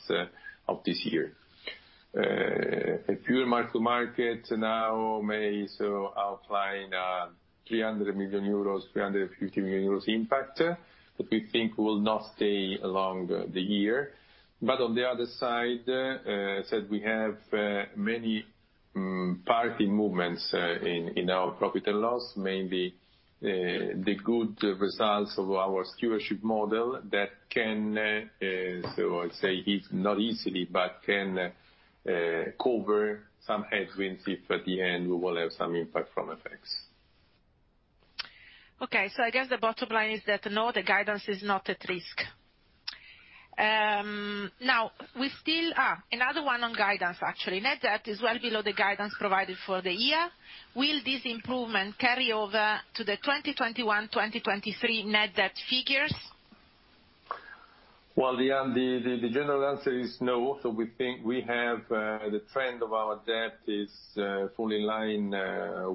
Speaker 3: of this year. A pure mark-to-market now may outline 300 million-350 million euros impact that we think will not stay along the year. On the other side, as I said, we have many party movements in our profit and loss, mainly the good results of our stewardship model that can, I would say not easily, but can cover some headwinds if at the end we will have some impact from FX.
Speaker 1: Okay. I guess the bottom line is that, no, the guidance is not at risk. Now, we still are another one on guidance, actually. Net debt is well below the guidance provided for the year. Will this improvement carry over to the 2021-2023 net debt figures?
Speaker 3: The general answer is no. We think the trend of our debt is fully in line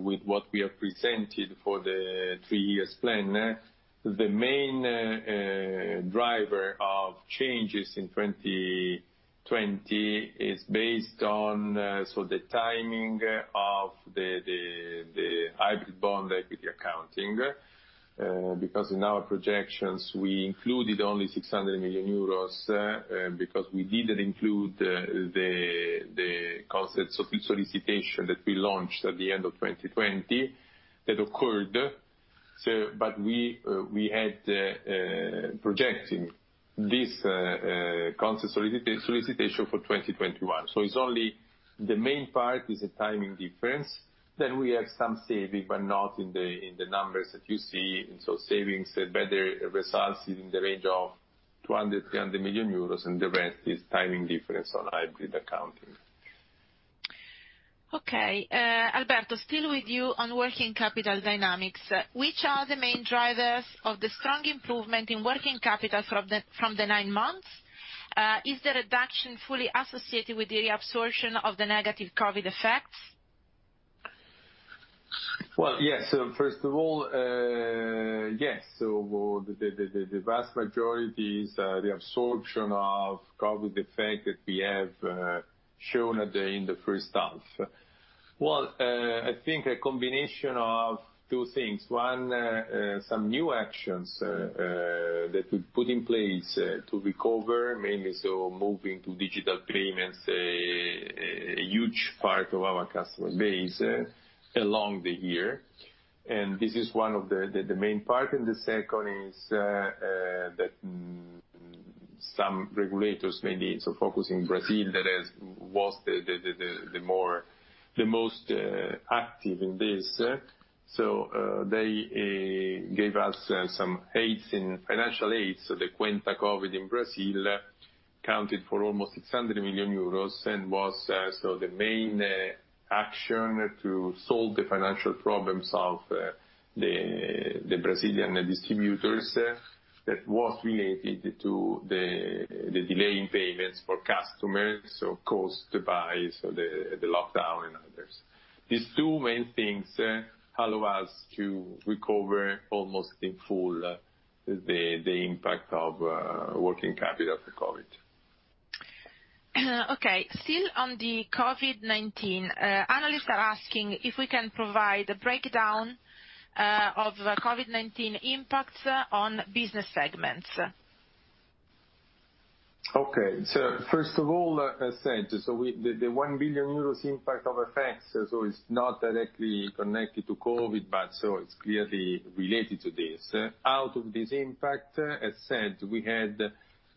Speaker 3: with what we have presented for the three-year plan. The main driver of changes in 2020 is based on the timing of the hybrid bond equity accounting because in our projections, we included only 600 million euros because we did not include the concept of solicitation that we launched at the end of 2020 that occurred. We had projected this concept solicitation for 2021. It is only the main part is a timing difference. We have some saving, but not in the numbers that you see. Savings, better results in the range of 200-300 million euros, and the rest is timing difference on hybrid accounting.
Speaker 1: Okay. Alberto, still with you on working capital dynamics. Which are the main drivers of the strong improvement in working capital from the nine months? Is the reduction fully associated with the reabsorption of the negative COVID effects?
Speaker 3: Yes. First of all, yes. The vast majority is the absorption of COVID effect that we have shown in the first half. I think a combination of two things. One, some new actions that we put in place to recover, mainly moving to digital payments, a huge part of our customer base along the year. This is one of the main parts. The second is that some regulators, mainly focusing on Brazil, that was the most active in this. They gave us some aids in financial aid. The Conta COVID in Brazil counted for almost 600 million euros and was the main action to solve the financial problems of the Brazilian distributors that was related to the delay in payments for customers, caused by the lockdown and others. These two main things allow us to recover almost in full the impact of working capital for COVID.
Speaker 1: Okay. Still on the COVID-19, analysts are asking if we can provide a breakdown of COVID-19 impacts on business segments.
Speaker 3: Okay. First of all, as I said, the 1 billion euros impact of FX, so it is not directly connected to COVID, but it is clearly related to this. Out of this impact, as I said, we had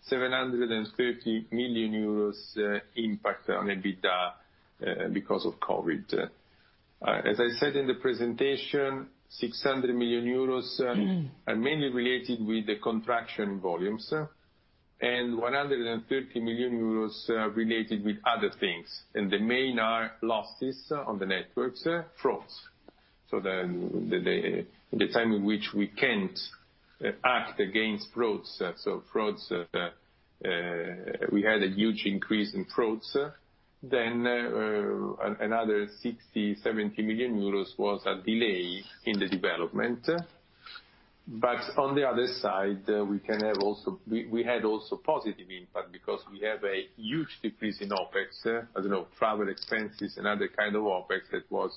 Speaker 3: 730 million euros impact on EBITDA because of COVID. As I said in the presentation, 600 million euros are mainly related with the contraction volumes, and 130 million euros related with other things. The main losses on the networks are frauds. The time in which we cannot act against frauds, so frauds, we had a huge increase in frauds. Another 60-70 million euros was a delay in the development. On the other side, we had also positive impact because we have a huge decrease in OpEx, as you know, travel expenses and other kinds of OpEx that was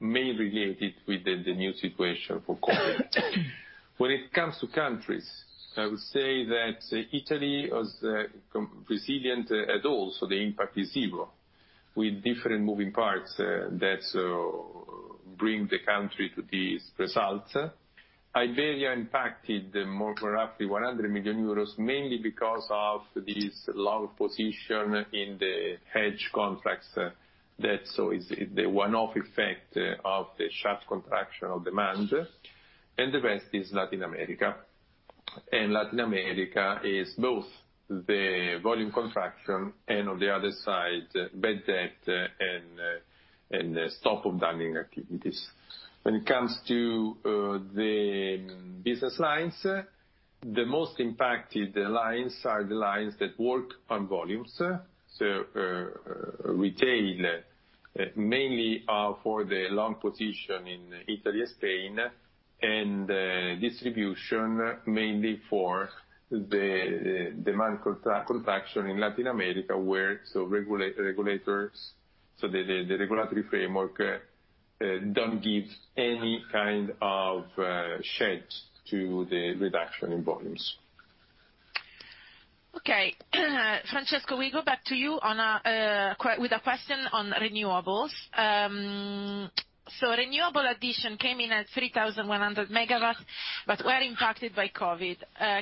Speaker 3: mainly related with the new situation for COVID. When it comes to countries, I would say that Italy was resilient at all, so the impact is zero, with different moving parts that bring the country to these results. Iberia impacted more, roughly 100 million euros, mainly because of this long position in the hedge contracts. That is the one-off effect of the sharp contraction of demand. The rest is Latin America. Latin America is both the volume contraction and, on the other side, bad debt and stop of dumping activities. When it comes to the business lines, the most impacted lines are the lines that work on volumes. Retail, mainly for the long position in Italy and Spain, and distribution, mainly for the demand contraction in Latin America, where the regulatory framework does not give any kind of shed to the reduction in volumes.
Speaker 1: Okay. Francesco, we go back to you with a question on renewables. Renewable addition came in at 3,100 MW, but were impacted by COVID.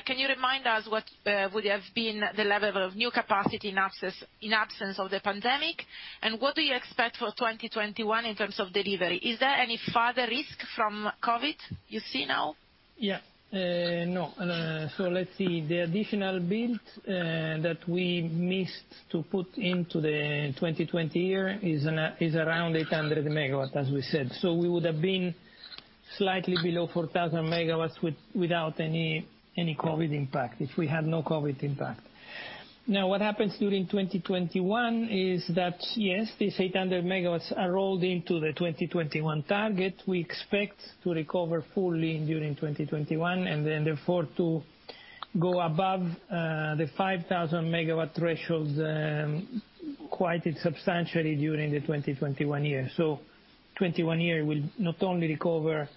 Speaker 1: Can you remind us what would have been the level of new capacity in absence of the pandemic, and what do you expect for 2021 in terms of delivery? Is there any further risk from COVID you see now?
Speaker 2: Yeah. No. Let's see. The additional build that we missed to put into the 2020 year is around 800 MW, as we said. We would have been slightly below 4,000 MW without any COVID impact, if we had no COVID impact. Now, what happens during 2021 is that, yes, these 800 MW are rolled into the 2021 target. We expect to recover fully during 2021 and then, therefore, to go above the 5,000 MW threshold quite substantially during the 2021 year. The 2021 year will not only recover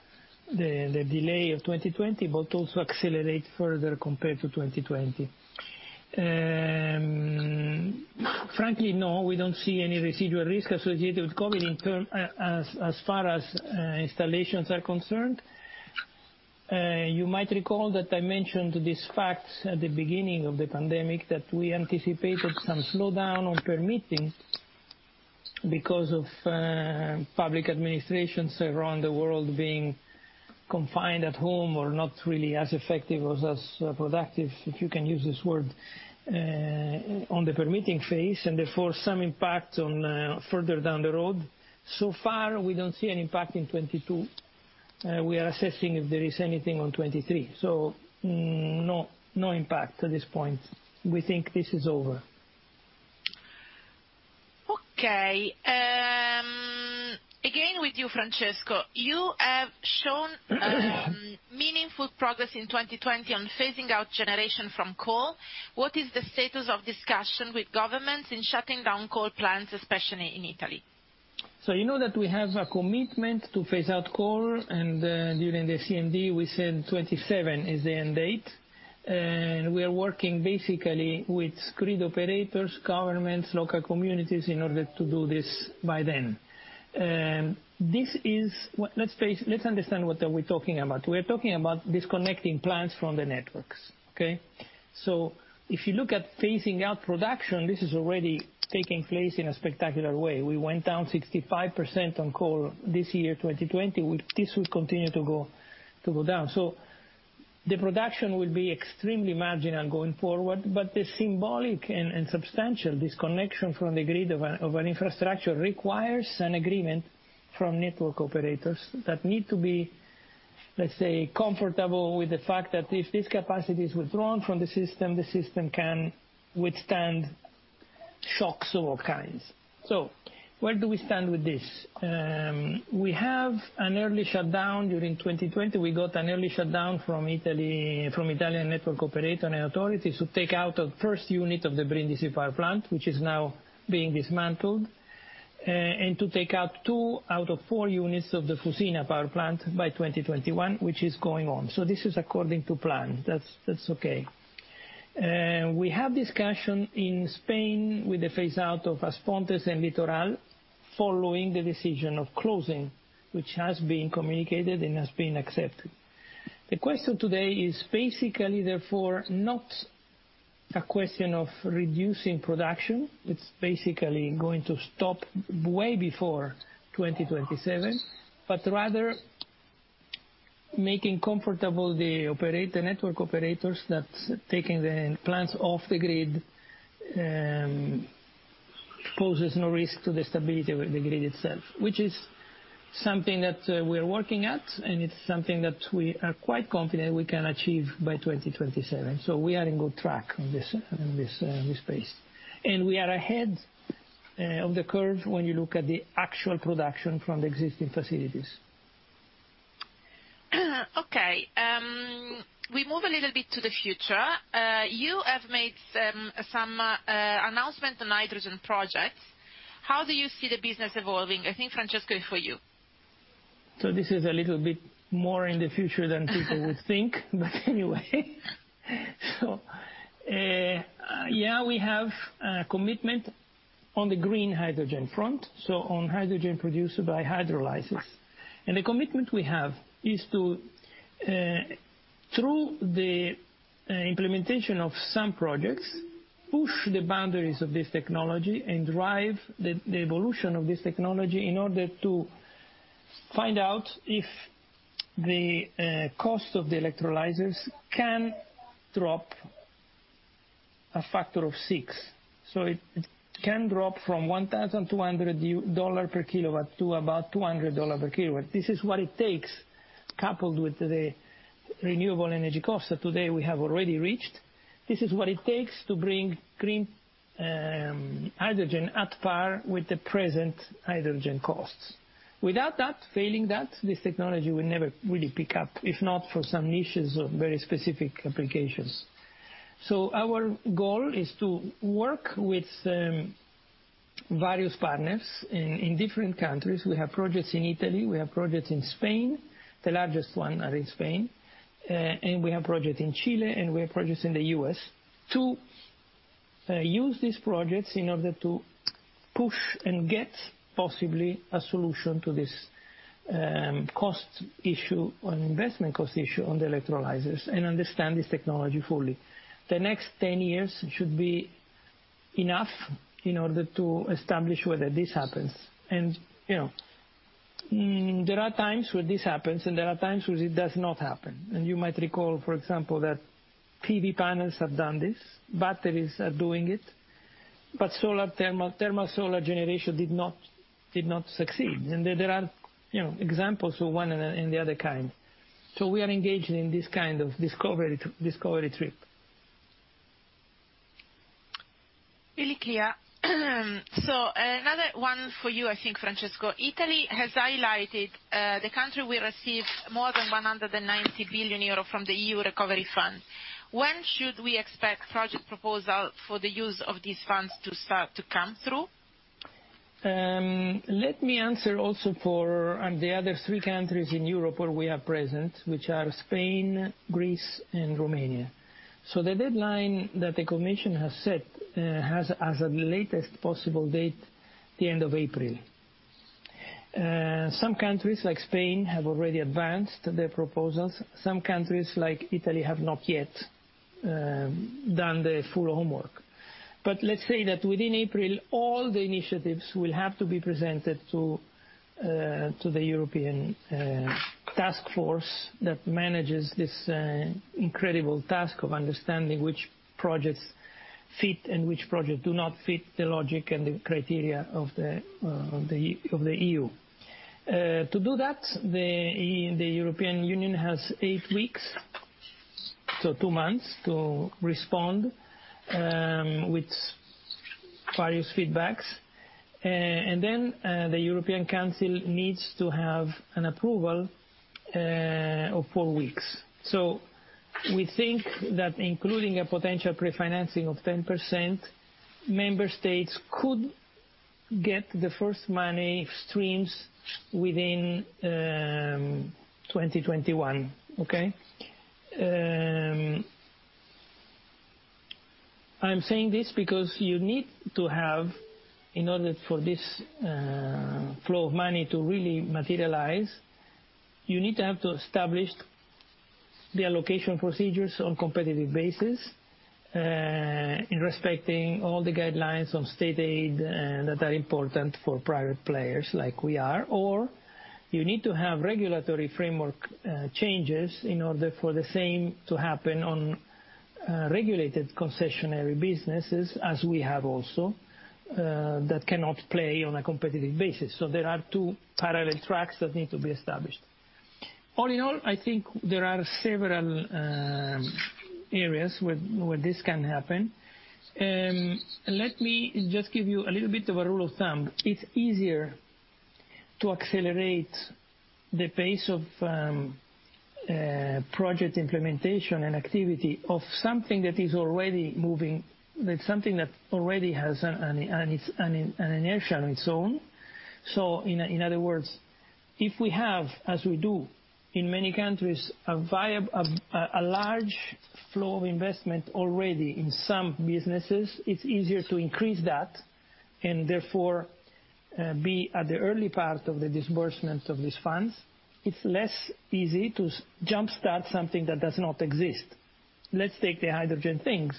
Speaker 2: the delay of 2020, but also accelerate further compared to 2020. Frankly, no, we do not see any residual risk associated with COVID as far as installations are concerned. You might recall that I mentioned this fact at the beginning of the pandemic that we anticipated some slowdown on permitting because of public administrations around the world being confined at home or not really as effective or as productive, if you can use this word, on the permitting phase, and therefore some impact on further down the road. So far, we do not see an impact in 2022. We are assessing if there is anything on 2023. No impact at this point. We think this is over.
Speaker 1: Okay. Again, with you, Francesco. You have shown meaningful progress in 2020 on phasing out generation from coal. What is the status of discussion with governments in shutting down coal plants, especially in Italy?
Speaker 2: You know that we have a commitment to phase out coal, and during the CMD, we said 2027 is the end date. We are working basically with grid operators, governments, local communities in order to do this by then. Let's understand what we're talking about. We are talking about disconnecting plants from the networks. Okay? If you look at phasing out production, this is already taking place in a spectacular way. We went down 65% on coal this year, 2020. This will continue to go down. The production will be extremely marginal going forward, but the symbolic and substantial disconnection from the grid of an infrastructure requires an agreement from network operators that need to be, let's say, comfortable with the fact that if this capacity is withdrawn from the system, the system can withstand shocks of all kinds. Where do we stand with this? We have an early shutdown during 2020. We got an early shutdown from Italian network operator and authorities to take out the first unit of the Brindisi power plant, which is now being dismantled, and to take out two out of four units of the Fusina power plant by 2021, which is going on. This is according to plan. That's okay. We have discussion in Spain with the phase-out of As Pontes and Litoral following the decision of closing, which has been communicated and has been accepted. The question today is basically, therefore, not a question of reducing production. It's basically going to stop way before 2027, but rather making comfortable the network operators that taking the plants off the grid poses no risk to the stability of the grid itself, which is something that we are working at, and it's something that we are quite confident we can achieve by 2027. We are in good track on this space. We are ahead of the curve when you look at the actual production from the existing facilities.
Speaker 1: Okay. We move a little bit to the future. You have made some announcements on hydrogen projects. How do you see the business evolving? I think, Francesco, it's for you.
Speaker 2: This is a little bit more in the future than people would think, but anyway. Yeah, we have a commitment on the green hydrogen front, so on hydrogen produced by hydrolysis. The commitment we have is to, through the implementation of some projects, push the boundaries of this technology and drive the evolution of this technology in order to find out if the cost of the electrolyzers can drop a factor of six. It can drop from $1,200 per kilowatt to about $200 per kilowatt. This is what it takes, coupled with the renewable energy costs that today we have already reached. This is what it takes to bring green hydrogen at par with the present hydrogen costs. Without that, failing that, this technology will never really pick up, if not for some niches of very specific applications. Our goal is to work with various partners in different countries. We have projects in Italy. We have projects in Spain. The largest ones are in Spain. We have projects in Chile, and we have projects in the U.S. to use these projects in order to push and get possibly a solution to this cost issue or investment cost issue on the electrolyzers and understand this technology fully. The next 10 years should be enough in order to establish whether this happens. There are times where this happens, and there are times where it does not happen. You might recall, for example, that PV panels have done this. Batteries are doing it, but thermal solar generation did not succeed. There are examples of one and the other kind. We are engaged in this kind of discovery trip.
Speaker 1: Really clear. Another one for you, I think, Francesco. Italy has highlighted the country will receive more than 190 billion euro from the EU recovery fund. When should we expect project proposals for the use of these funds to come through?
Speaker 2: Let me answer also for the other three countries in Europe where we are present, which are Spain, Greece, and Romania. The deadline that the Commission has set has as a latest possible date the end of April. Some countries, like Spain, have already advanced their proposals. Some countries, like Italy, have not yet done the full homework. Let's say that within April, all the initiatives will have to be presented to the European task force that manages this incredible task of understanding which projects fit and which projects do not fit the logic and the criteria of the EU. To do that, the European Union has eight weeks, so two months, to respond with various feedbacks. The European Council needs to have an approval of four weeks. We think that including a potential pre-financing of 10%, member states could get the first money streams within 2021. Okay? I'm saying this because you need to have, in order for this flow of money to really materialize, you need to establish the allocation procedures on a competitive basis in respecting all the guidelines on state aid that are important for private players like we are, or you need to have regulatory framework changes in order for the same to happen on regulated concessionary businesses as we have also that cannot play on a competitive basis. There are two parallel tracks that need to be established. All in all, I think there are several areas where this can happen. Let me just give you a little bit of a rule of thumb. It's easier to accelerate the pace of project implementation and activity of something that is already moving, something that already has an inertia on its own. In other words, if we have, as we do in many countries, a large flow of investment already in some businesses, it's easier to increase that and therefore be at the early part of the disbursement of these funds. It's less easy to jump-start something that does not exist. Let's take the hydrogen things.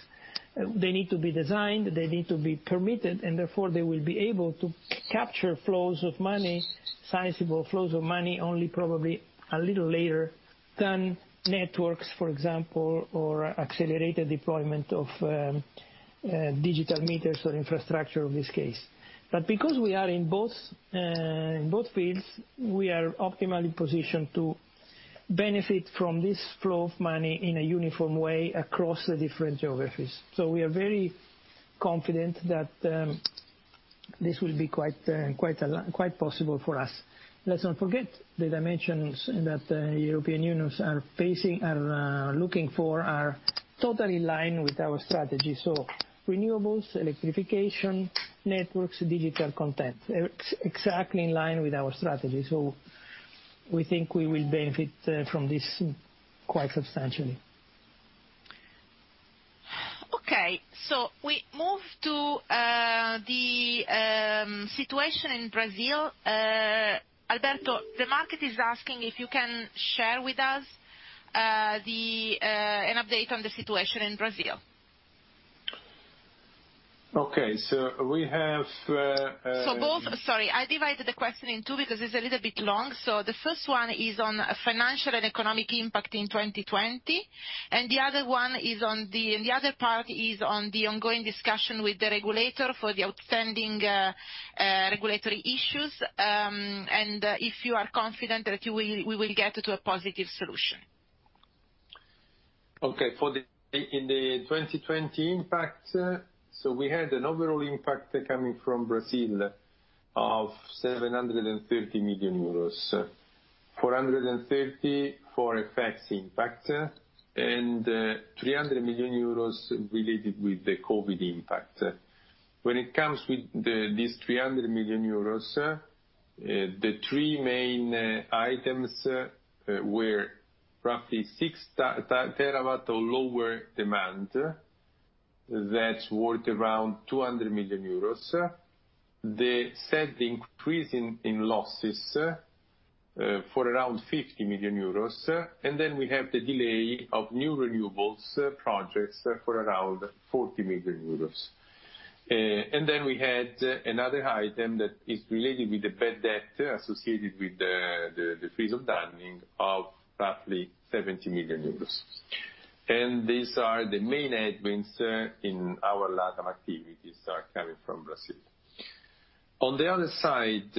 Speaker 2: They need to be designed. They need to be permitted, and therefore they will be able to capture flows of money, sizable flows of money, only probably a little later than networks, for example, or accelerated deployment of digital meters or infrastructure in this case. Because we are in both fields, we are optimally positioned to benefit from this flow of money in a uniform way across the different geographies. We are very confident that this will be quite possible for us. Let's not forget the dimensions that the European Union are looking for are totally in line with our strategy. Renewables, electrification, networks, digital content, exactly in line with our strategy. We think we will benefit from this quite substantially.
Speaker 1: Okay. We move to the situation in Brazil. Alberto, the market is asking if you can share with us an update on the situation in Brazil.
Speaker 3: Okay. We have both.
Speaker 1: Sorry. I divided the question in two because it's a little bit long. The first one is on financial and economic impact in 2020, and the other one is on the ongoing discussion with the regulator for the outstanding regulatory issues and if you are confident that we will get to a positive solution.
Speaker 3: Okay. For the 2020 impact, we had an overall impact coming from Brazil of 730 million euros, 430 million for FX impact, and 300 million euros related with the COVID impact. When it comes with these 300 million euros, the three main items were roughly 6 TW of lower demand that's worth around 200 million euros. They said the increase in losses for around 50 million euros, and then we have the delay of new renewables projects for around 40 million euros. Then we had another item that is related with the bad debt associated with the freeze of damning of roughly 70 million euros. These are the main admins in our LATAM activities that are coming from Brazil. On the other side,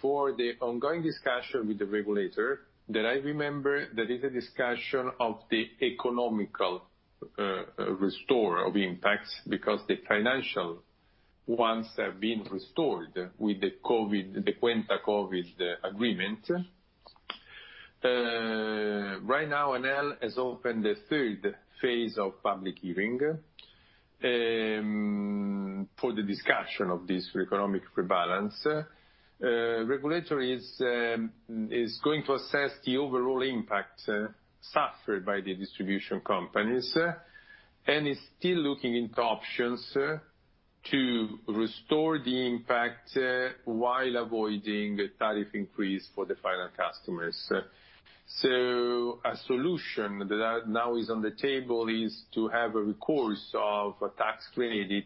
Speaker 3: for the ongoing discussion with the regulator, that I remember, there is a discussion of the economical restore of impacts because the financial ones have been restored with the COVID, the Conta COVID agreement. Right now, Enel has opened the third phase of public hearing for the discussion of this economic rebalance. The regulator is going to assess the overall impact suffered by the distribution companies and is still looking into options to restore the impact while avoiding a tariff increase for the final customers. A solution that now is on the table is to have a recourse of a tax credit,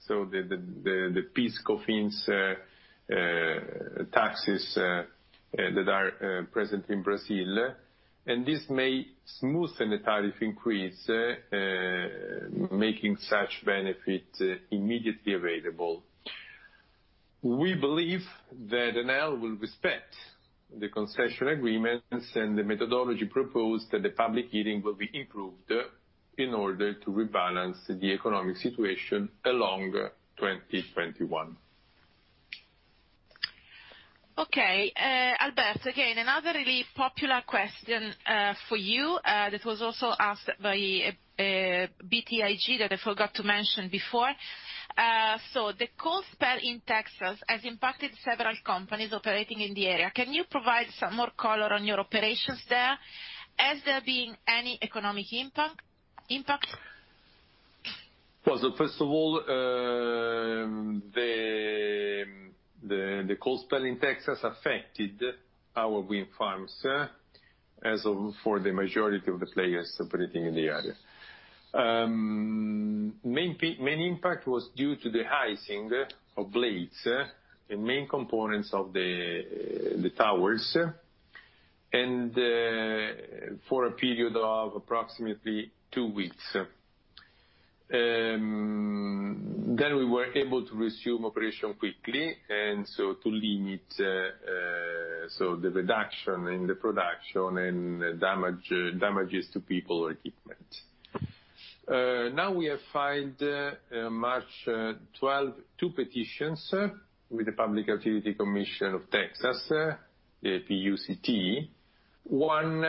Speaker 3: so the PIS/COFINS taxes that are present in Brazil. This may smoothen the tariff increase, making such benefits immediately available. We believe that Enel will respect the concession agreements and the methodology proposed that the public hearing will be improved in order to rebalance the economic situation along 2021.
Speaker 1: Okay. Alberto, again, another really popular question for you that was also asked by BTIG that I forgot to mention before. The cold spell in Texas has impacted several companies operating in the area. Can you provide some more color on your operations there? Has there been any economic impact?
Speaker 3: First of all, the cold spell in Texas affected our wind farms as for the majority of the players operating in the area. Main impact was due to the icing of blades and main components of the towers for a period of approximately two weeks. We were able to resume operation quickly and to limit the reduction in the production and damages to people or equipment. Now, we have filed March 12, two petitions with the Public Utility Commission of Texas, the PUCT, one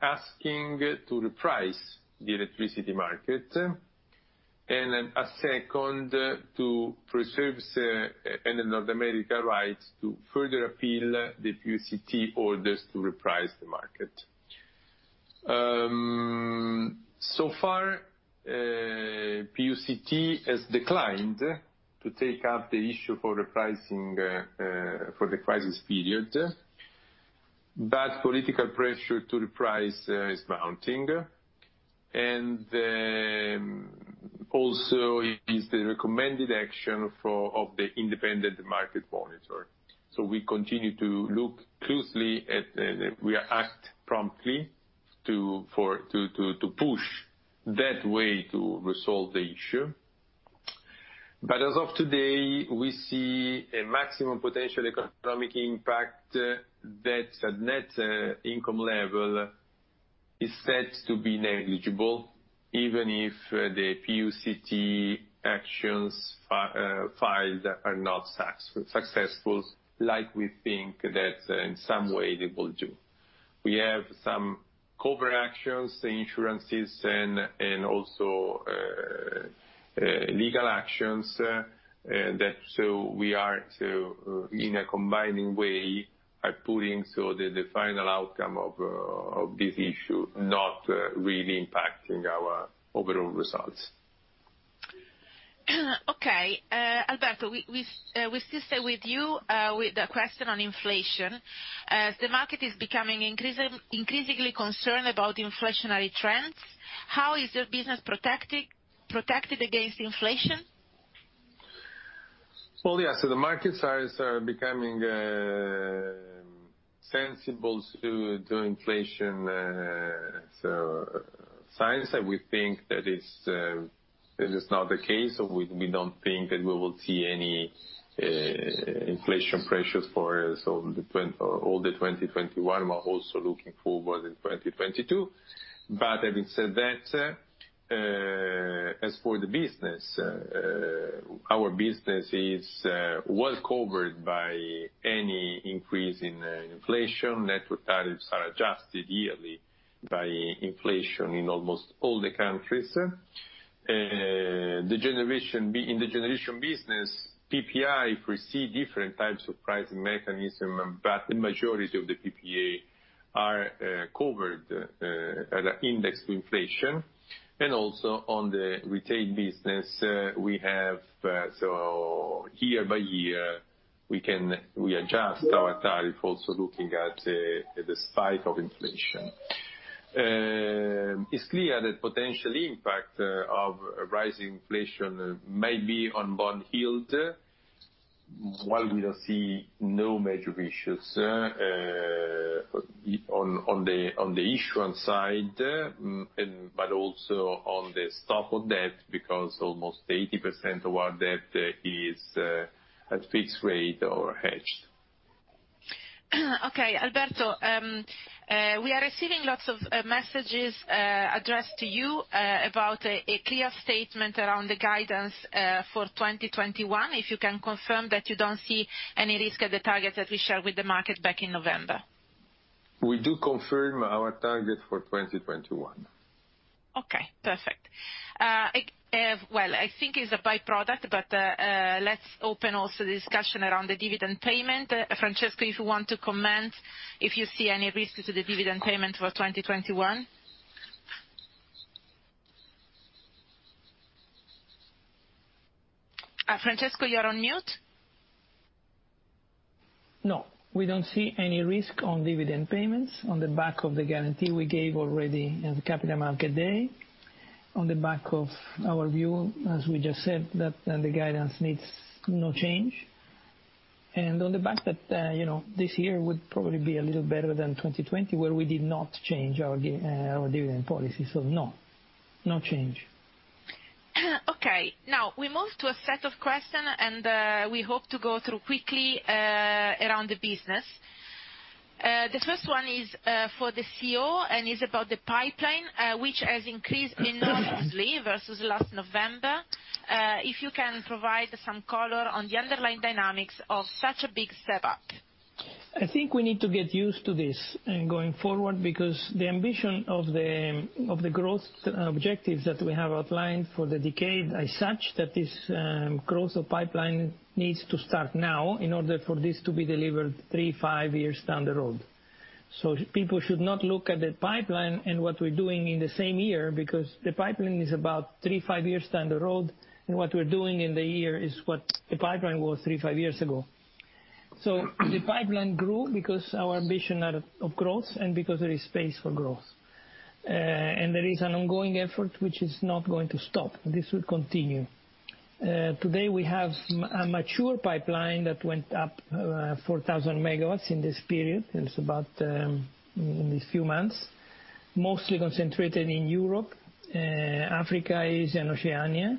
Speaker 3: asking to reprice the electricity market and a second to preserve the North America rights to further appeal the PUCT orders to reprice the market. PUCT has declined to take up the issue for repricing for the crisis period, but political pressure to reprice is mounting. It is the recommended action of the independent market monitor. We continue to look closely at we act promptly to push that way to resolve the issue. As of today, we see a maximum potential economic impact at net income level is set to be negligible even if the PUCT actions filed are not successful like we think that in some way they will do. We have some cover actions, insurances, and also legal actions that we are in a combining way are putting so the final outcome of this issue not really impacting our overall results.
Speaker 1: Okay. Alberto, we still stay with you with the question on inflation. The market is becoming increasingly concerned about inflationary trends. How is your business protected against inflation?
Speaker 3: Yes. The markets are becoming sensible to inflation. Since we think that it is not the case, we do not think that we will see any inflation pressures for all the 2021. We are also looking forward to 2022. Having said that, as for the business, our business is well covered by any increase in inflation. Net tariffs are adjusted yearly by inflation in almost all the countries. In the generation business, PPI foresee different types of pricing mechanism, but the majority of the PPA are covered indexed to inflation. Also, on the retail business, we have so year by year, we adjust our tariff also looking at the spike of inflation. It is clear that potential impact of rising inflation may be on one hill while we do not see no major issues on the issuance side, but also on the stop of debt because almost 80% of our debt is at fixed rate or hedged.
Speaker 1: Okay. Alberto, we are receiving lots of messages addressed to you about a clear statement around the guidance for 2021. If you can confirm that you do not see any risk at the target that we shared with the market back in November.
Speaker 3: We do confirm our target for 2021.
Speaker 1: Okay. Perfect. I think it's a byproduct, but let's open also the discussion around the dividend payment. Francesco, if you want to comment if you see any risk to the dividend payment for 2021. Francesco, you're on mute.
Speaker 2: No. We don't see any risk on dividend payments on the back of the guarantee we gave already on the Capital Market Day. On the back of our view, as we just said, that the guidance needs no change. On the back that this year would probably be a little better than 2020 where we did not change our dividend policy. No, no change.
Speaker 1: Okay. Now, we move to a set of questions, and we hope to go through quickly around the business. The first one is for the CEO, and it's about the pipeline, which has increased enormously versus last November. If you can provide some color on the underlying dynamics of such a big step up.
Speaker 2: I think we need to get used to this going forward because the ambition of the growth objectives that we have outlined for the decade is such that this growth of pipeline needs to start now in order for this to be delivered three-five years down the road. People should not look at the pipeline and what we're doing in the same year because the pipeline is about three-five years down the road, and what we're doing in the year is what the pipeline was three-five years ago. The pipeline grew because our ambition of growth and because there is space for growth. There is an ongoing effort which is not going to stop. This will continue. Today, we have a mature pipeline that went up 4,000 MW in this period. It's about in these few months, mostly concentrated in Europe, Africa, Asia, and Oceania.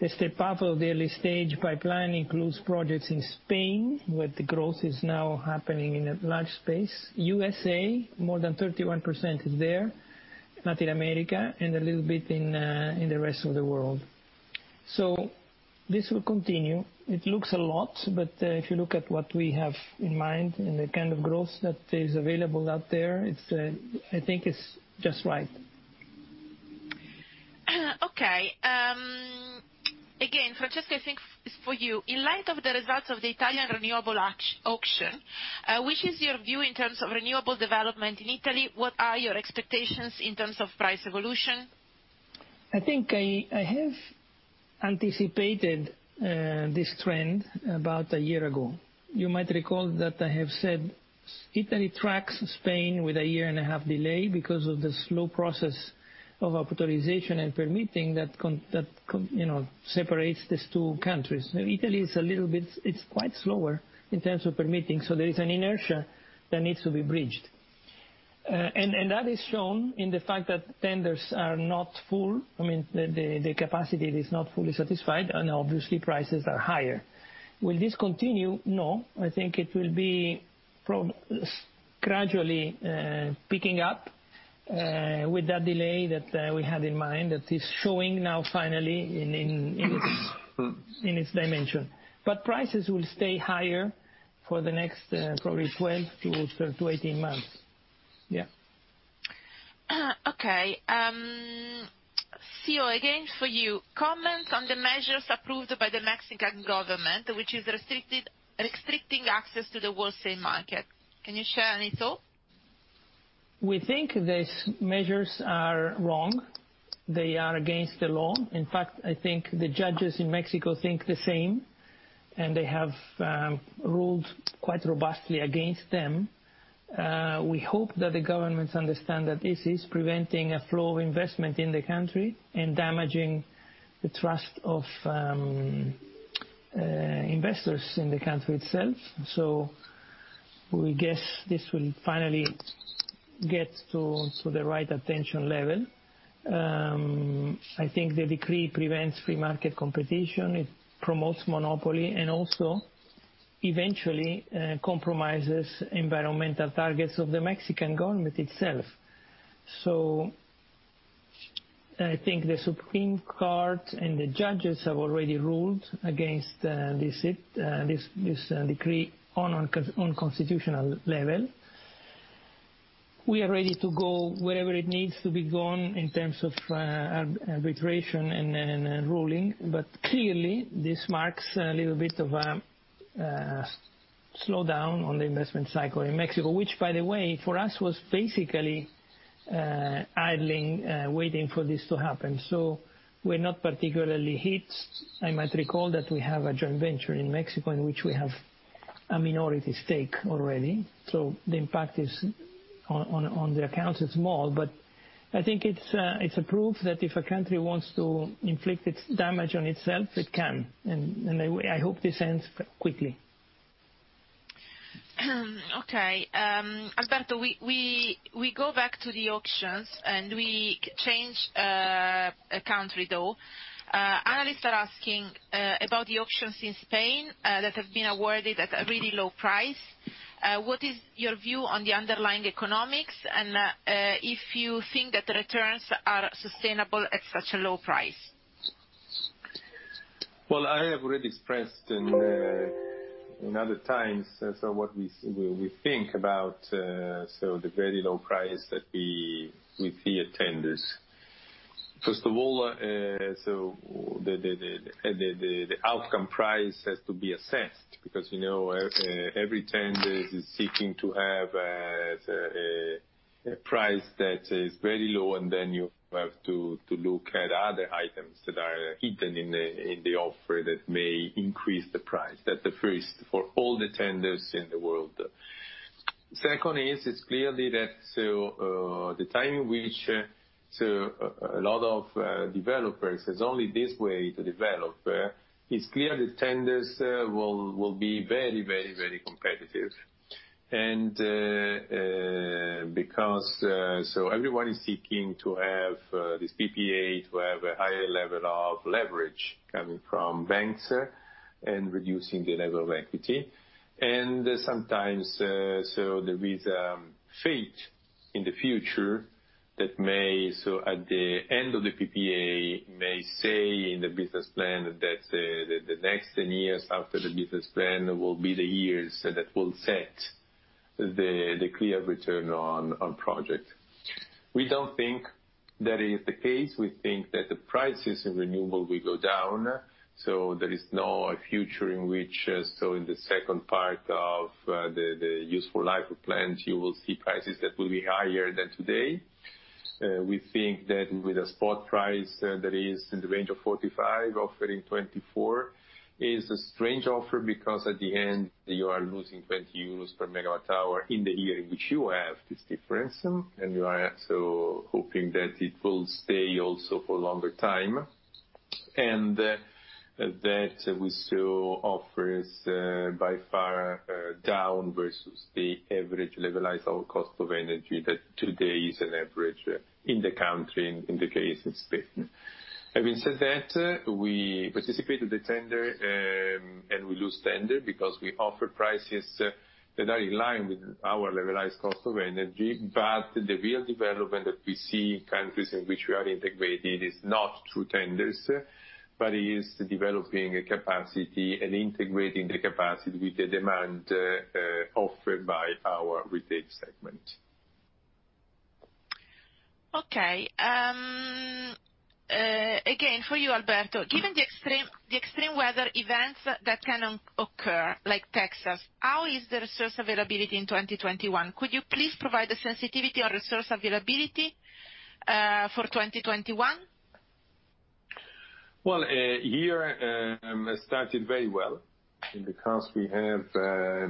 Speaker 2: The step up of the early stage pipeline includes projects in Spain where the growth is now happening in a large space. USA, more than 31% is there, Latin America, and a little bit in the rest of the world. This will continue. It looks a lot, but if you look at what we have in mind and the kind of growth that is available out there, I think it's just right.
Speaker 1: Okay. Again, Francesco, I think it's for you. In light of the results of the Italian Renewable Auction, which is your view in terms of renewable development in Italy? What are your expectations in terms of price evolution?
Speaker 2: I think I have anticipated this trend about a year ago. You might recall that I have said Italy tracks Spain with a year and a half delay because of the slow process of authorization and permitting that separates these two countries. Italy is a little bit, it's quite slower in terms of permitting. There is an inertia that needs to be bridged. That is shown in the fact that tenders are not full. I mean, the capacity is not fully satisfied, and obviously, prices are higher. Will this continue? No. I think it will be gradually picking up with that delay that we had in mind that is showing now finally in its dimension. Prices will stay higher for the next probably 12-18 months. Yeah.
Speaker 1: Okay. CEO, again, for you, comments on the measures approved by the Mexican government, which is restricting access to the wholesale market. Can you share any thoughts?
Speaker 2: We think these measures are wrong. They are against the law. In fact, I think the judges in Mexico think the same, and they have ruled quite robustly against them. We hope that the governments understand that this is preventing a flow of investment in the country and damaging the trust of investors in the country itself. We guess this will finally get to the right attention level. I think the decree prevents free market competition. It promotes monopoly and also eventually compromises environmental targets of the Mexican government itself. I think the Supreme Court and the judges have already ruled against this decree on a constitutional level. We are ready to go wherever it needs to be gone in terms of arbitration and ruling. Clearly, this marks a little bit of a slowdown on the investment cycle in Mexico, which, by the way, for us was basically idling, waiting for this to happen. We are not particularly hit. I might recall that we have a joint venture in Mexico in which we have a minority stake already. The impact on the accounts is small, but I think it is a proof that if a country wants to inflict its damage on itself, it can. I hope this ends quickly.
Speaker 1: Okay. Alberto, we go back to the auctions, and we change country, though. Analysts are asking about the auctions in Spain that have been awarded at a really low price. What is your view on the underlying economics and if you think that returns are sustainable at such a low price?
Speaker 3: I have already expressed in other times what we think about the very low price that we see at tenders. First of all, the outcome price has to be assessed because every tender is seeking to have a price that is very low, and then you have to look at other items that are hidden in the offer that may increase the price. That is the first for all the tenders in the world. Second, it is clear that the time in which a lot of developers has only this way to develop, it is clear the tenders will be very, very, very competitive. Because everyone is seeking to have this PPA to have a higher level of leverage coming from banks and reducing the level of equity. There is a fate in the future that may, at the end of the PPA, say in the business plan that the next 10 years after the business plan will be the years that will set the clear return on project. We do not think that is the case. We think that the prices of renewable will go down. There is no future in which, in the second part of the useful life of plants, you will see prices that will be higher than today. We think that with a spot price that is in the range of 45, offering 24 is a strange offer because at the end, you are losing 20 euros per megawatt hour in the year in which you have this difference. We are also hoping that it will stay also for a longer time and that we still offer by far down versus the average levelized cost of energy that today is an average in the country in the case of Spain. Having said that, we participate in the tender and we lose tender because we offer prices that are in line with our levelized cost of energy. The real development that we see in countries in which we are integrated is not through tenders, but is developing a capacity and integrating the capacity with the demand offered by our retail segment.
Speaker 1: Okay. Again, for you, Alberto, given the extreme weather events that can occur, like Texas, how is the resource availability in 2021? Could you please provide a sensitivity on resource availability for 2021?
Speaker 3: The year started very well because we have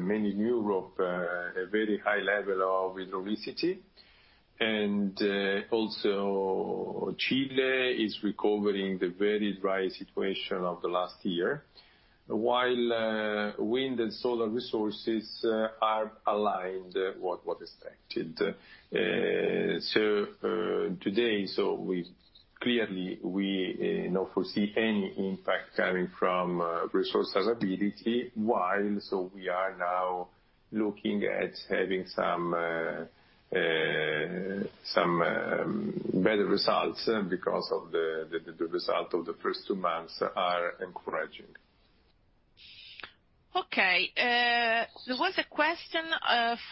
Speaker 3: many in Europe at a very high level of electricity. Also, Chile is recovering the very dry situation of last year, while wind and solar resources are aligned with what was expected. Today, we do not foresee any impact coming from resource availability, while we are now looking at having some better results because the result of the first two months are encouraging.
Speaker 1: There was a question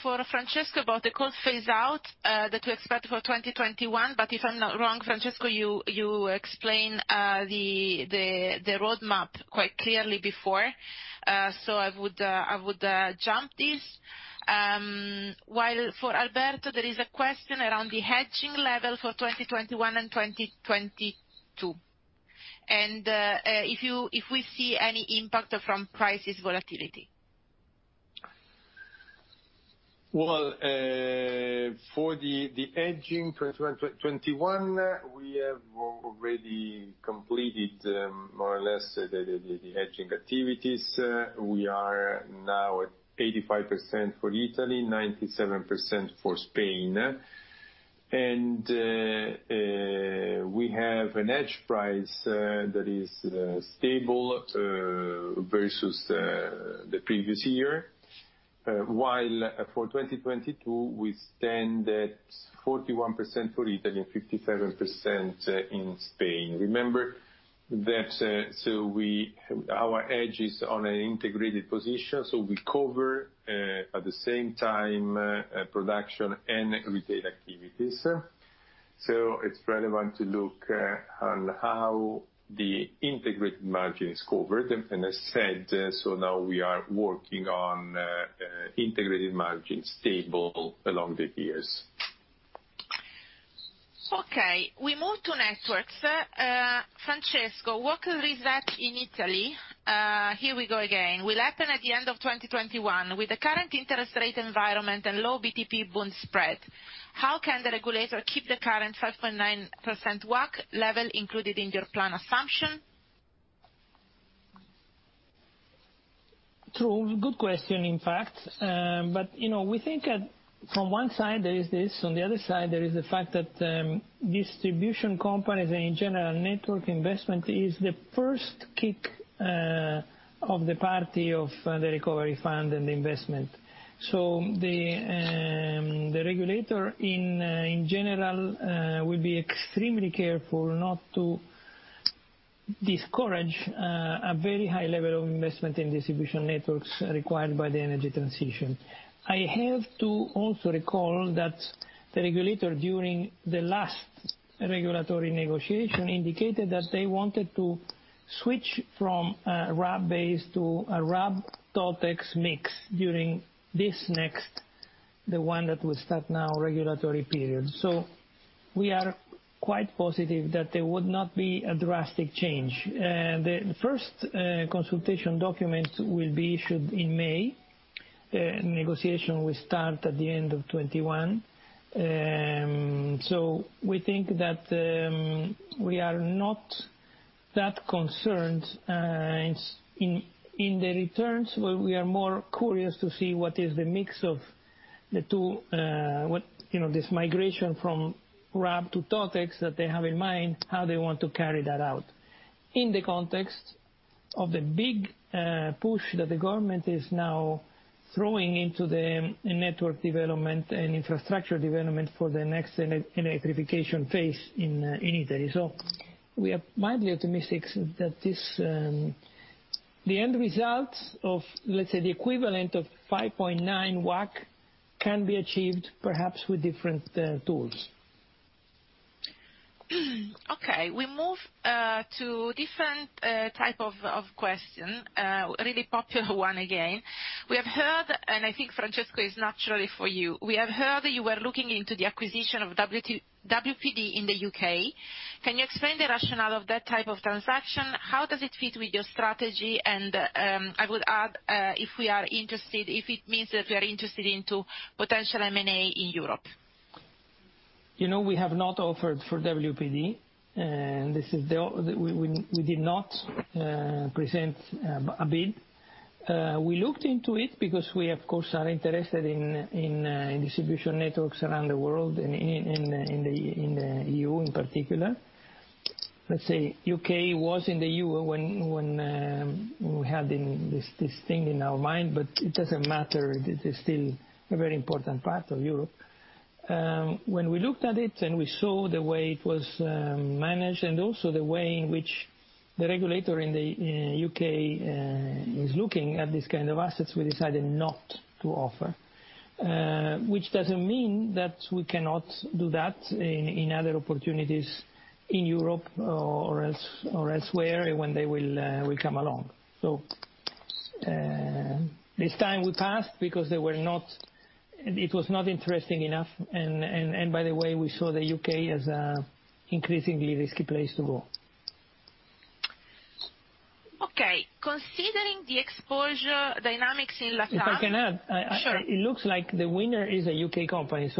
Speaker 1: for Francesco about the coal phase-out that we expect for 2021. If I am not wrong, Francesco, you explained the roadmap quite clearly before. I would jump this. For Alberto, there is a question around the hedging level for 2021 and 2022, and if we see any impact from prices volatility.
Speaker 3: For the hedging 2021, we have already completed more or less the hedging activities. We are now at 85% for Italy, 97% for Spain. We have an edge price that is stable versus the previous year, while for 2022, we stand at 41% for Italy and 57% in Spain. Remember that our edge is on an integrated position. We cover at the same time production and retail activities. It is relevant to look at how the integrated margin is covered. As I said, now we are working on integrated margin stable along the years.
Speaker 1: We move to networks. Francesco, what will result in Italy? Here we go again. Will happen at the end of 2021 with the current interest rate environment and low BTP bond spread. How can the regulator keep the current 5.9% WACC level included in your plan assumption?
Speaker 2: True. Good question, in fact. We think that from one side, there is this. On the other side, there is the fact that distribution companies and, in general, network investment is the first kick of the party of the recovery fund and the investment. The regulator in general will be extremely careful not to discourage a very high level of investment in distribution networks required by the energy transition. I have to also recall that the regulator during the last regulatory negotiation indicated that they wanted to switch from a RAB base to a RAB [Toltec] mix during this next, the one that will start now, regulatory period. We are quite positive that there would not be a drastic change. The first consultation document will be issued in May. Negotiation will start at the end of 2021. We think that we are not that concerned in the returns. We are more curious to see what is the mix of the two, this migration from RAB to [Toltec] that they have in mind, how they want to carry that out in the context of the big push that the government is now throwing into the network development and infrastructure development for the next electrification phase in Italy. We are mildly optimistic that the end result of, let's say, the equivalent of 5.9% WACC can be achieved perhaps with different tools.
Speaker 1: Okay. We move to different type of question, really popular one again. We have heard, and I think Francesco is naturally for you. We have heard that you were looking into the acquisition of WPD in the U.K. Can you explain the rationale of that type of transaction? How does it fit with your strategy? I would add, if we are interested, if it means that we are interested in potential M&A in Europe.
Speaker 2: We have not offered for WPD. This is the we did not present a bid. We looked into it because we, of course, are interested in distribution networks around the world and in the EU in particular. Let's say U.K. was in the EU when we had this thing in our mind, but it does not matter. It is still a very important part of Europe. When we looked at it and we saw the way it was managed and also the way in which the regulator in the U.K. is looking at this kind of assets, we decided not to offer, which does not mean that we cannot do that in other opportunities in Europe or elsewhere when they will come along. This time we passed because it was not interesting enough. By the way, we saw the U.K. as an increasingly risky place to go.
Speaker 1: Okay. Considering the exposure dynamics in LATAM.
Speaker 2: If I can add, it looks like the winner is a U.K. company.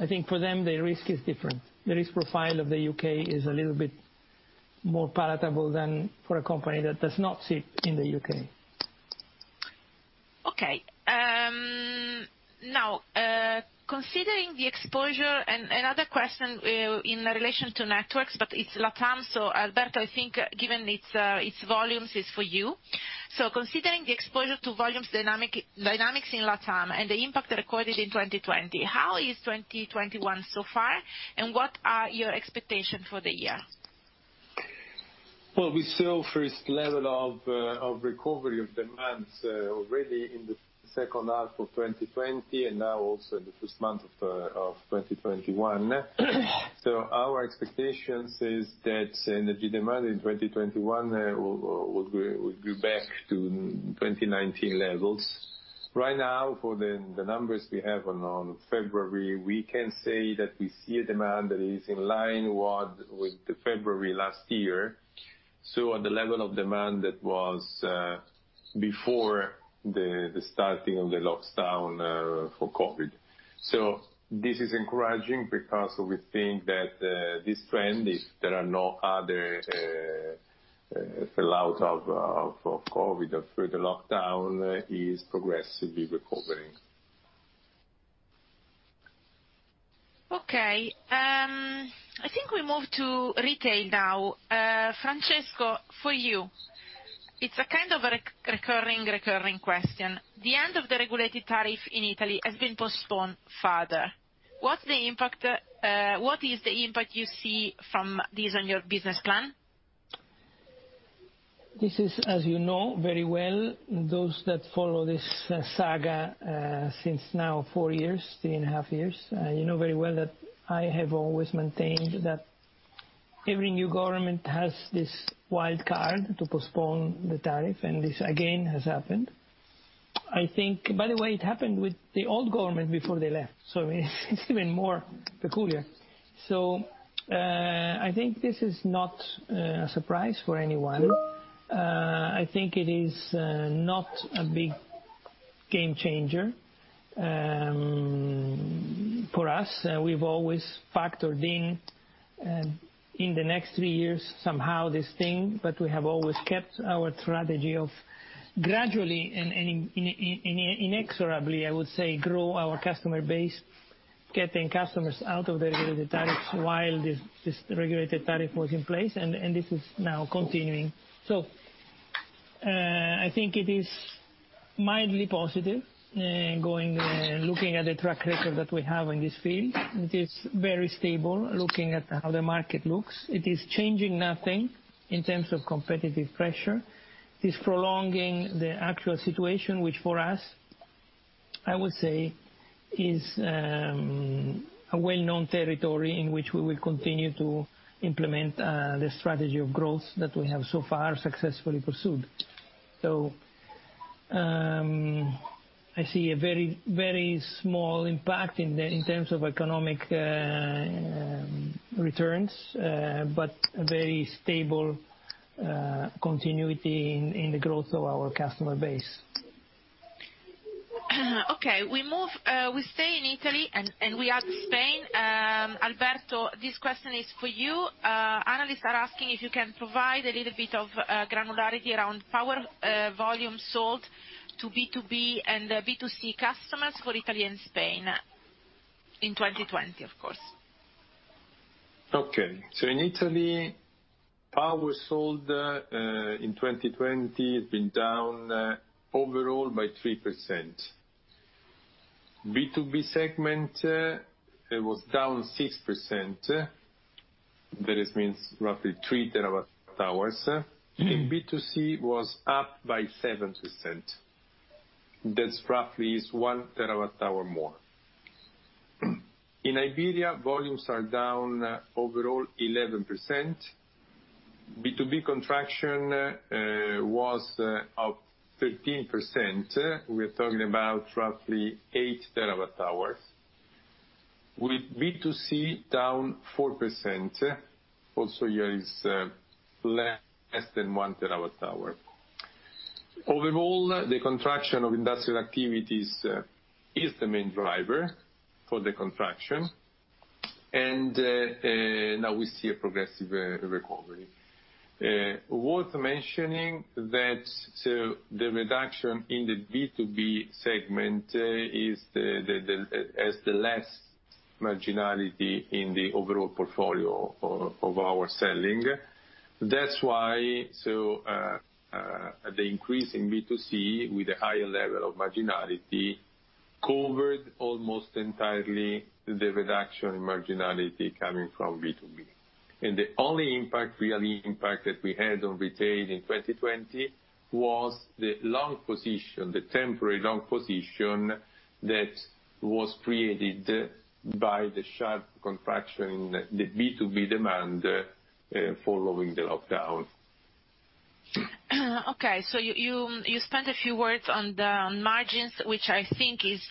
Speaker 2: I think for them, the risk is different. The risk profile of the U.K. is a little bit more palatable than for a company that does not sit in the U.K.
Speaker 1: Okay. Now, considering the exposure, another question in relation to networks, but it is LATAM. Alberto, I think given its volumes, it is for you. Considering the exposure to volumes dynamics in LATAM and the impact recorded in 2020, how is 2021 so far? What are your expectations for the year?
Speaker 3: We saw first level of recovery of demand already in the second half of 2020 and now also in the first month of 2021. Our expectations is that energy demand in 2021 will go back to 2019 levels. Right now, for the numbers we have on February, we can say that we see a demand that is in line with February last year. At the level of demand that was before the starting of the lockdown for COVID. This is encouraging because we think that this trend, if there are no other fallout of COVID or through the lockdown, is progressively recovering.
Speaker 1: Okay. I think we move to retail now. Francesco, for you, it's a kind of a recurring, recurring question. The end of the regulated tariff in Italy has been postponed further. What is the impact you see from this on your business plan?
Speaker 2: This is, as you know very well, those that follow this saga since now four years, three and a half years, you know very well that I have always maintained that every new government has this wild card to postpone the tariff. This, again, has happened. I think, by the way, it happened with the old government before they left. It is even more peculiar. I think this is not a surprise for anyone. I think it is not a big game changer for us. We've always factored in, in the next three years, somehow this thing, but we have always kept our strategy of gradually and inexorably, I would say, grow our customer base, getting customers out of the regulated tariffs while this regulated tariff was in place. This is now continuing. I think it is mildly positive going and looking at the track record that we have in this field. It is very stable looking at how the market looks. It is changing nothing in terms of competitive pressure. It is prolonging the actual situation, which for us, I would say, is a well-known territory in which we will continue to implement the strategy of growth that we have so far successfully pursued. I see a very, very small impact in terms of economic returns, but a very stable continuity in the growth of our customer base.
Speaker 1: Okay. We stay in Italy and we add Spain. Alberto, this question is for you. Analysts are asking if you can provide a little bit of granularity around power volume sold to B2B and B2C customers for Italy and Spain in 2020, of course.
Speaker 3: Okay. In Italy, power sold in 2020 has been down overall by 3%. B2B segment was down 6%. That means roughly 3 TWh. In B2C, it was up by 7%. That's roughly 1 TWh more. In Iberia, volumes are down overall 11%. B2B contraction was up 13%. We are talking about roughly 8 TWh. With B2C, down 4%. Also here is less than 1 TWh. Overall, the contraction of industrial activities is the main driver for the contraction. Now we see a progressive recovery. Worth mentioning that the reduction in the B2B segment has the less marginality in the overall portfolio of our selling. That's why the increase in B2C with a higher level of marginality covered almost entirely the reduction in marginality coming from B2B. The only impact, real impact that we had on retail in 2020 was the long position, the temporary long position that was created by the sharp contraction in the B2B demand following the lockdown.
Speaker 1: Okay. You spent a few words on margins, which I think is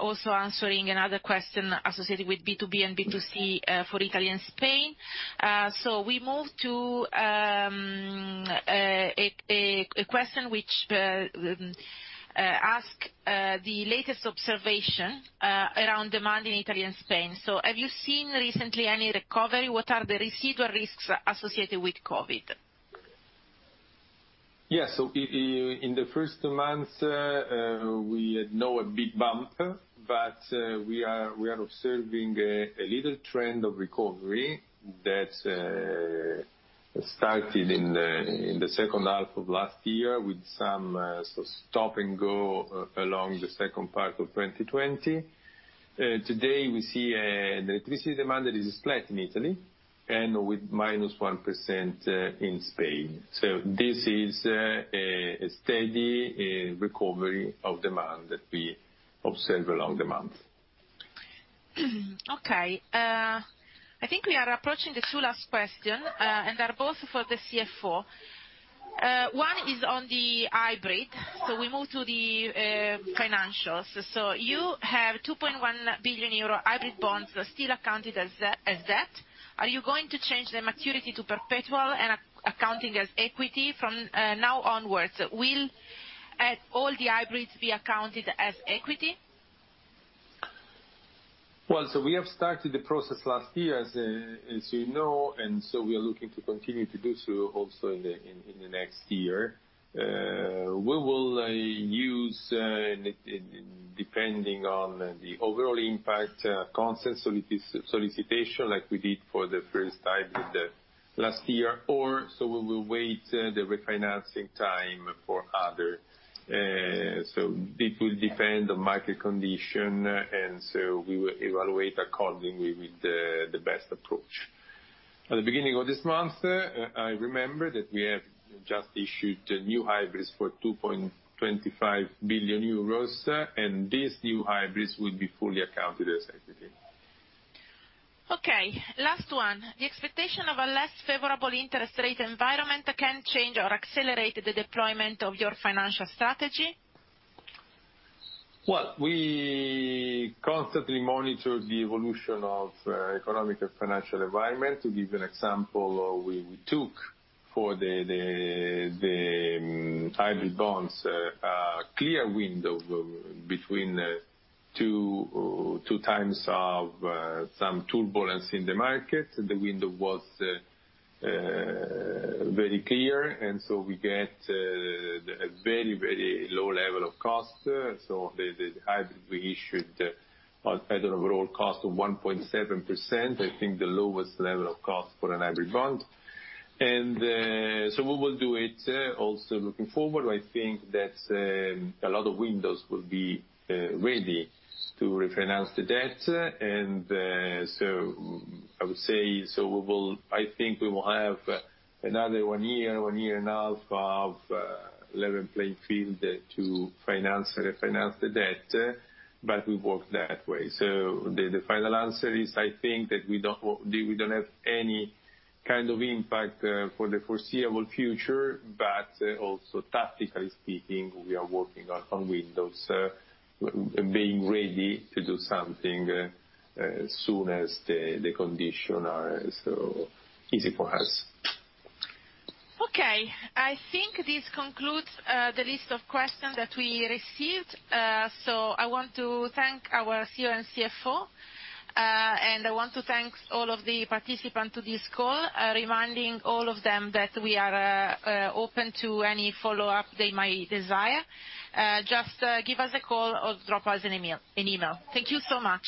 Speaker 1: also answering another question associated with B2B and B2C for Italy and Spain. We move to a question which asks the latest observation around demand in Italy and Spain. Have you seen recently any recovery? What are the residual risks associated with COVID?
Speaker 3: Yes. In the first month, we had no big bump, but we are observing a little trend of recovery that started in the second half of last year with some stop and go along the second part of 2020. Today, we see an electricity demand that is flat in Italy and with minus 1% in Spain. This is a steady recovery of demand that we observe along the month.
Speaker 1: Okay. I think we are approaching the two last questions and they are both for the CFO. One is on the hybrid. We move to the financials. You have 2.1 billion euro hybrid bonds still accounted as debt. Are you going to change the maturity to perpetual and account as equity from now onwards? Will all the hybrids be accounted as equity?
Speaker 3: Well, we have started the process last year, as you know, and we are looking to continue to do so also in the next year. We will use, depending on the overall impact, consent solicitation like we did for the first time last year, or we will wait for the refinancing time for others. It will depend on market condition, and we will evaluate accordingly with the best approach. At the beginning of this month, I remember that we have just issued new hybrids for 2.25 billion euros, and these new hybrids will be fully accounted as equity.
Speaker 1: Okay. Last one. The expectation of a less favorable interest rate environment can change or accelerate the deployment of your financial strategy?
Speaker 3: We constantly monitor the evolution of the economic and financial environment. To give you an example, we took for the hybrid bonds a clear window between two times of some turbulence in the market. The window was very clear, and we get a very, very low level of cost. The hybrid we issued at an overall cost of 1.7%, I think the lowest level of cost for a hybrid bond. We will do it also looking forward. I think that a lot of windows will be ready to refinance the debt. I would say, I think we will have another one year, one year and a half of level playing field to finance the debt, but we work that way. The final answer is, I think that we do not have any kind of impact for the foreseeable future, but also tactically speaking, we are working on windows being ready to do something as soon as the conditions are easy for us.
Speaker 1: I think this concludes the list of questions that we received. I want to thank our CEO and CFO, and I want to thank all of the participants to this call, reminding all of them that we are open to any follow-up they might desire. Just give us a call or drop us an email. Thank you so much.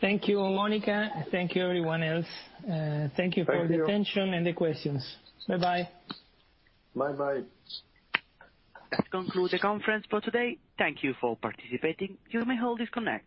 Speaker 2: Thank you, Monica. Thank you, everyone else. Thank you for the attention and the questions. Bye-bye.
Speaker 3: Bye-bye.
Speaker 4: That concludes the conference for today. Thank you for participating. You may hold this connect.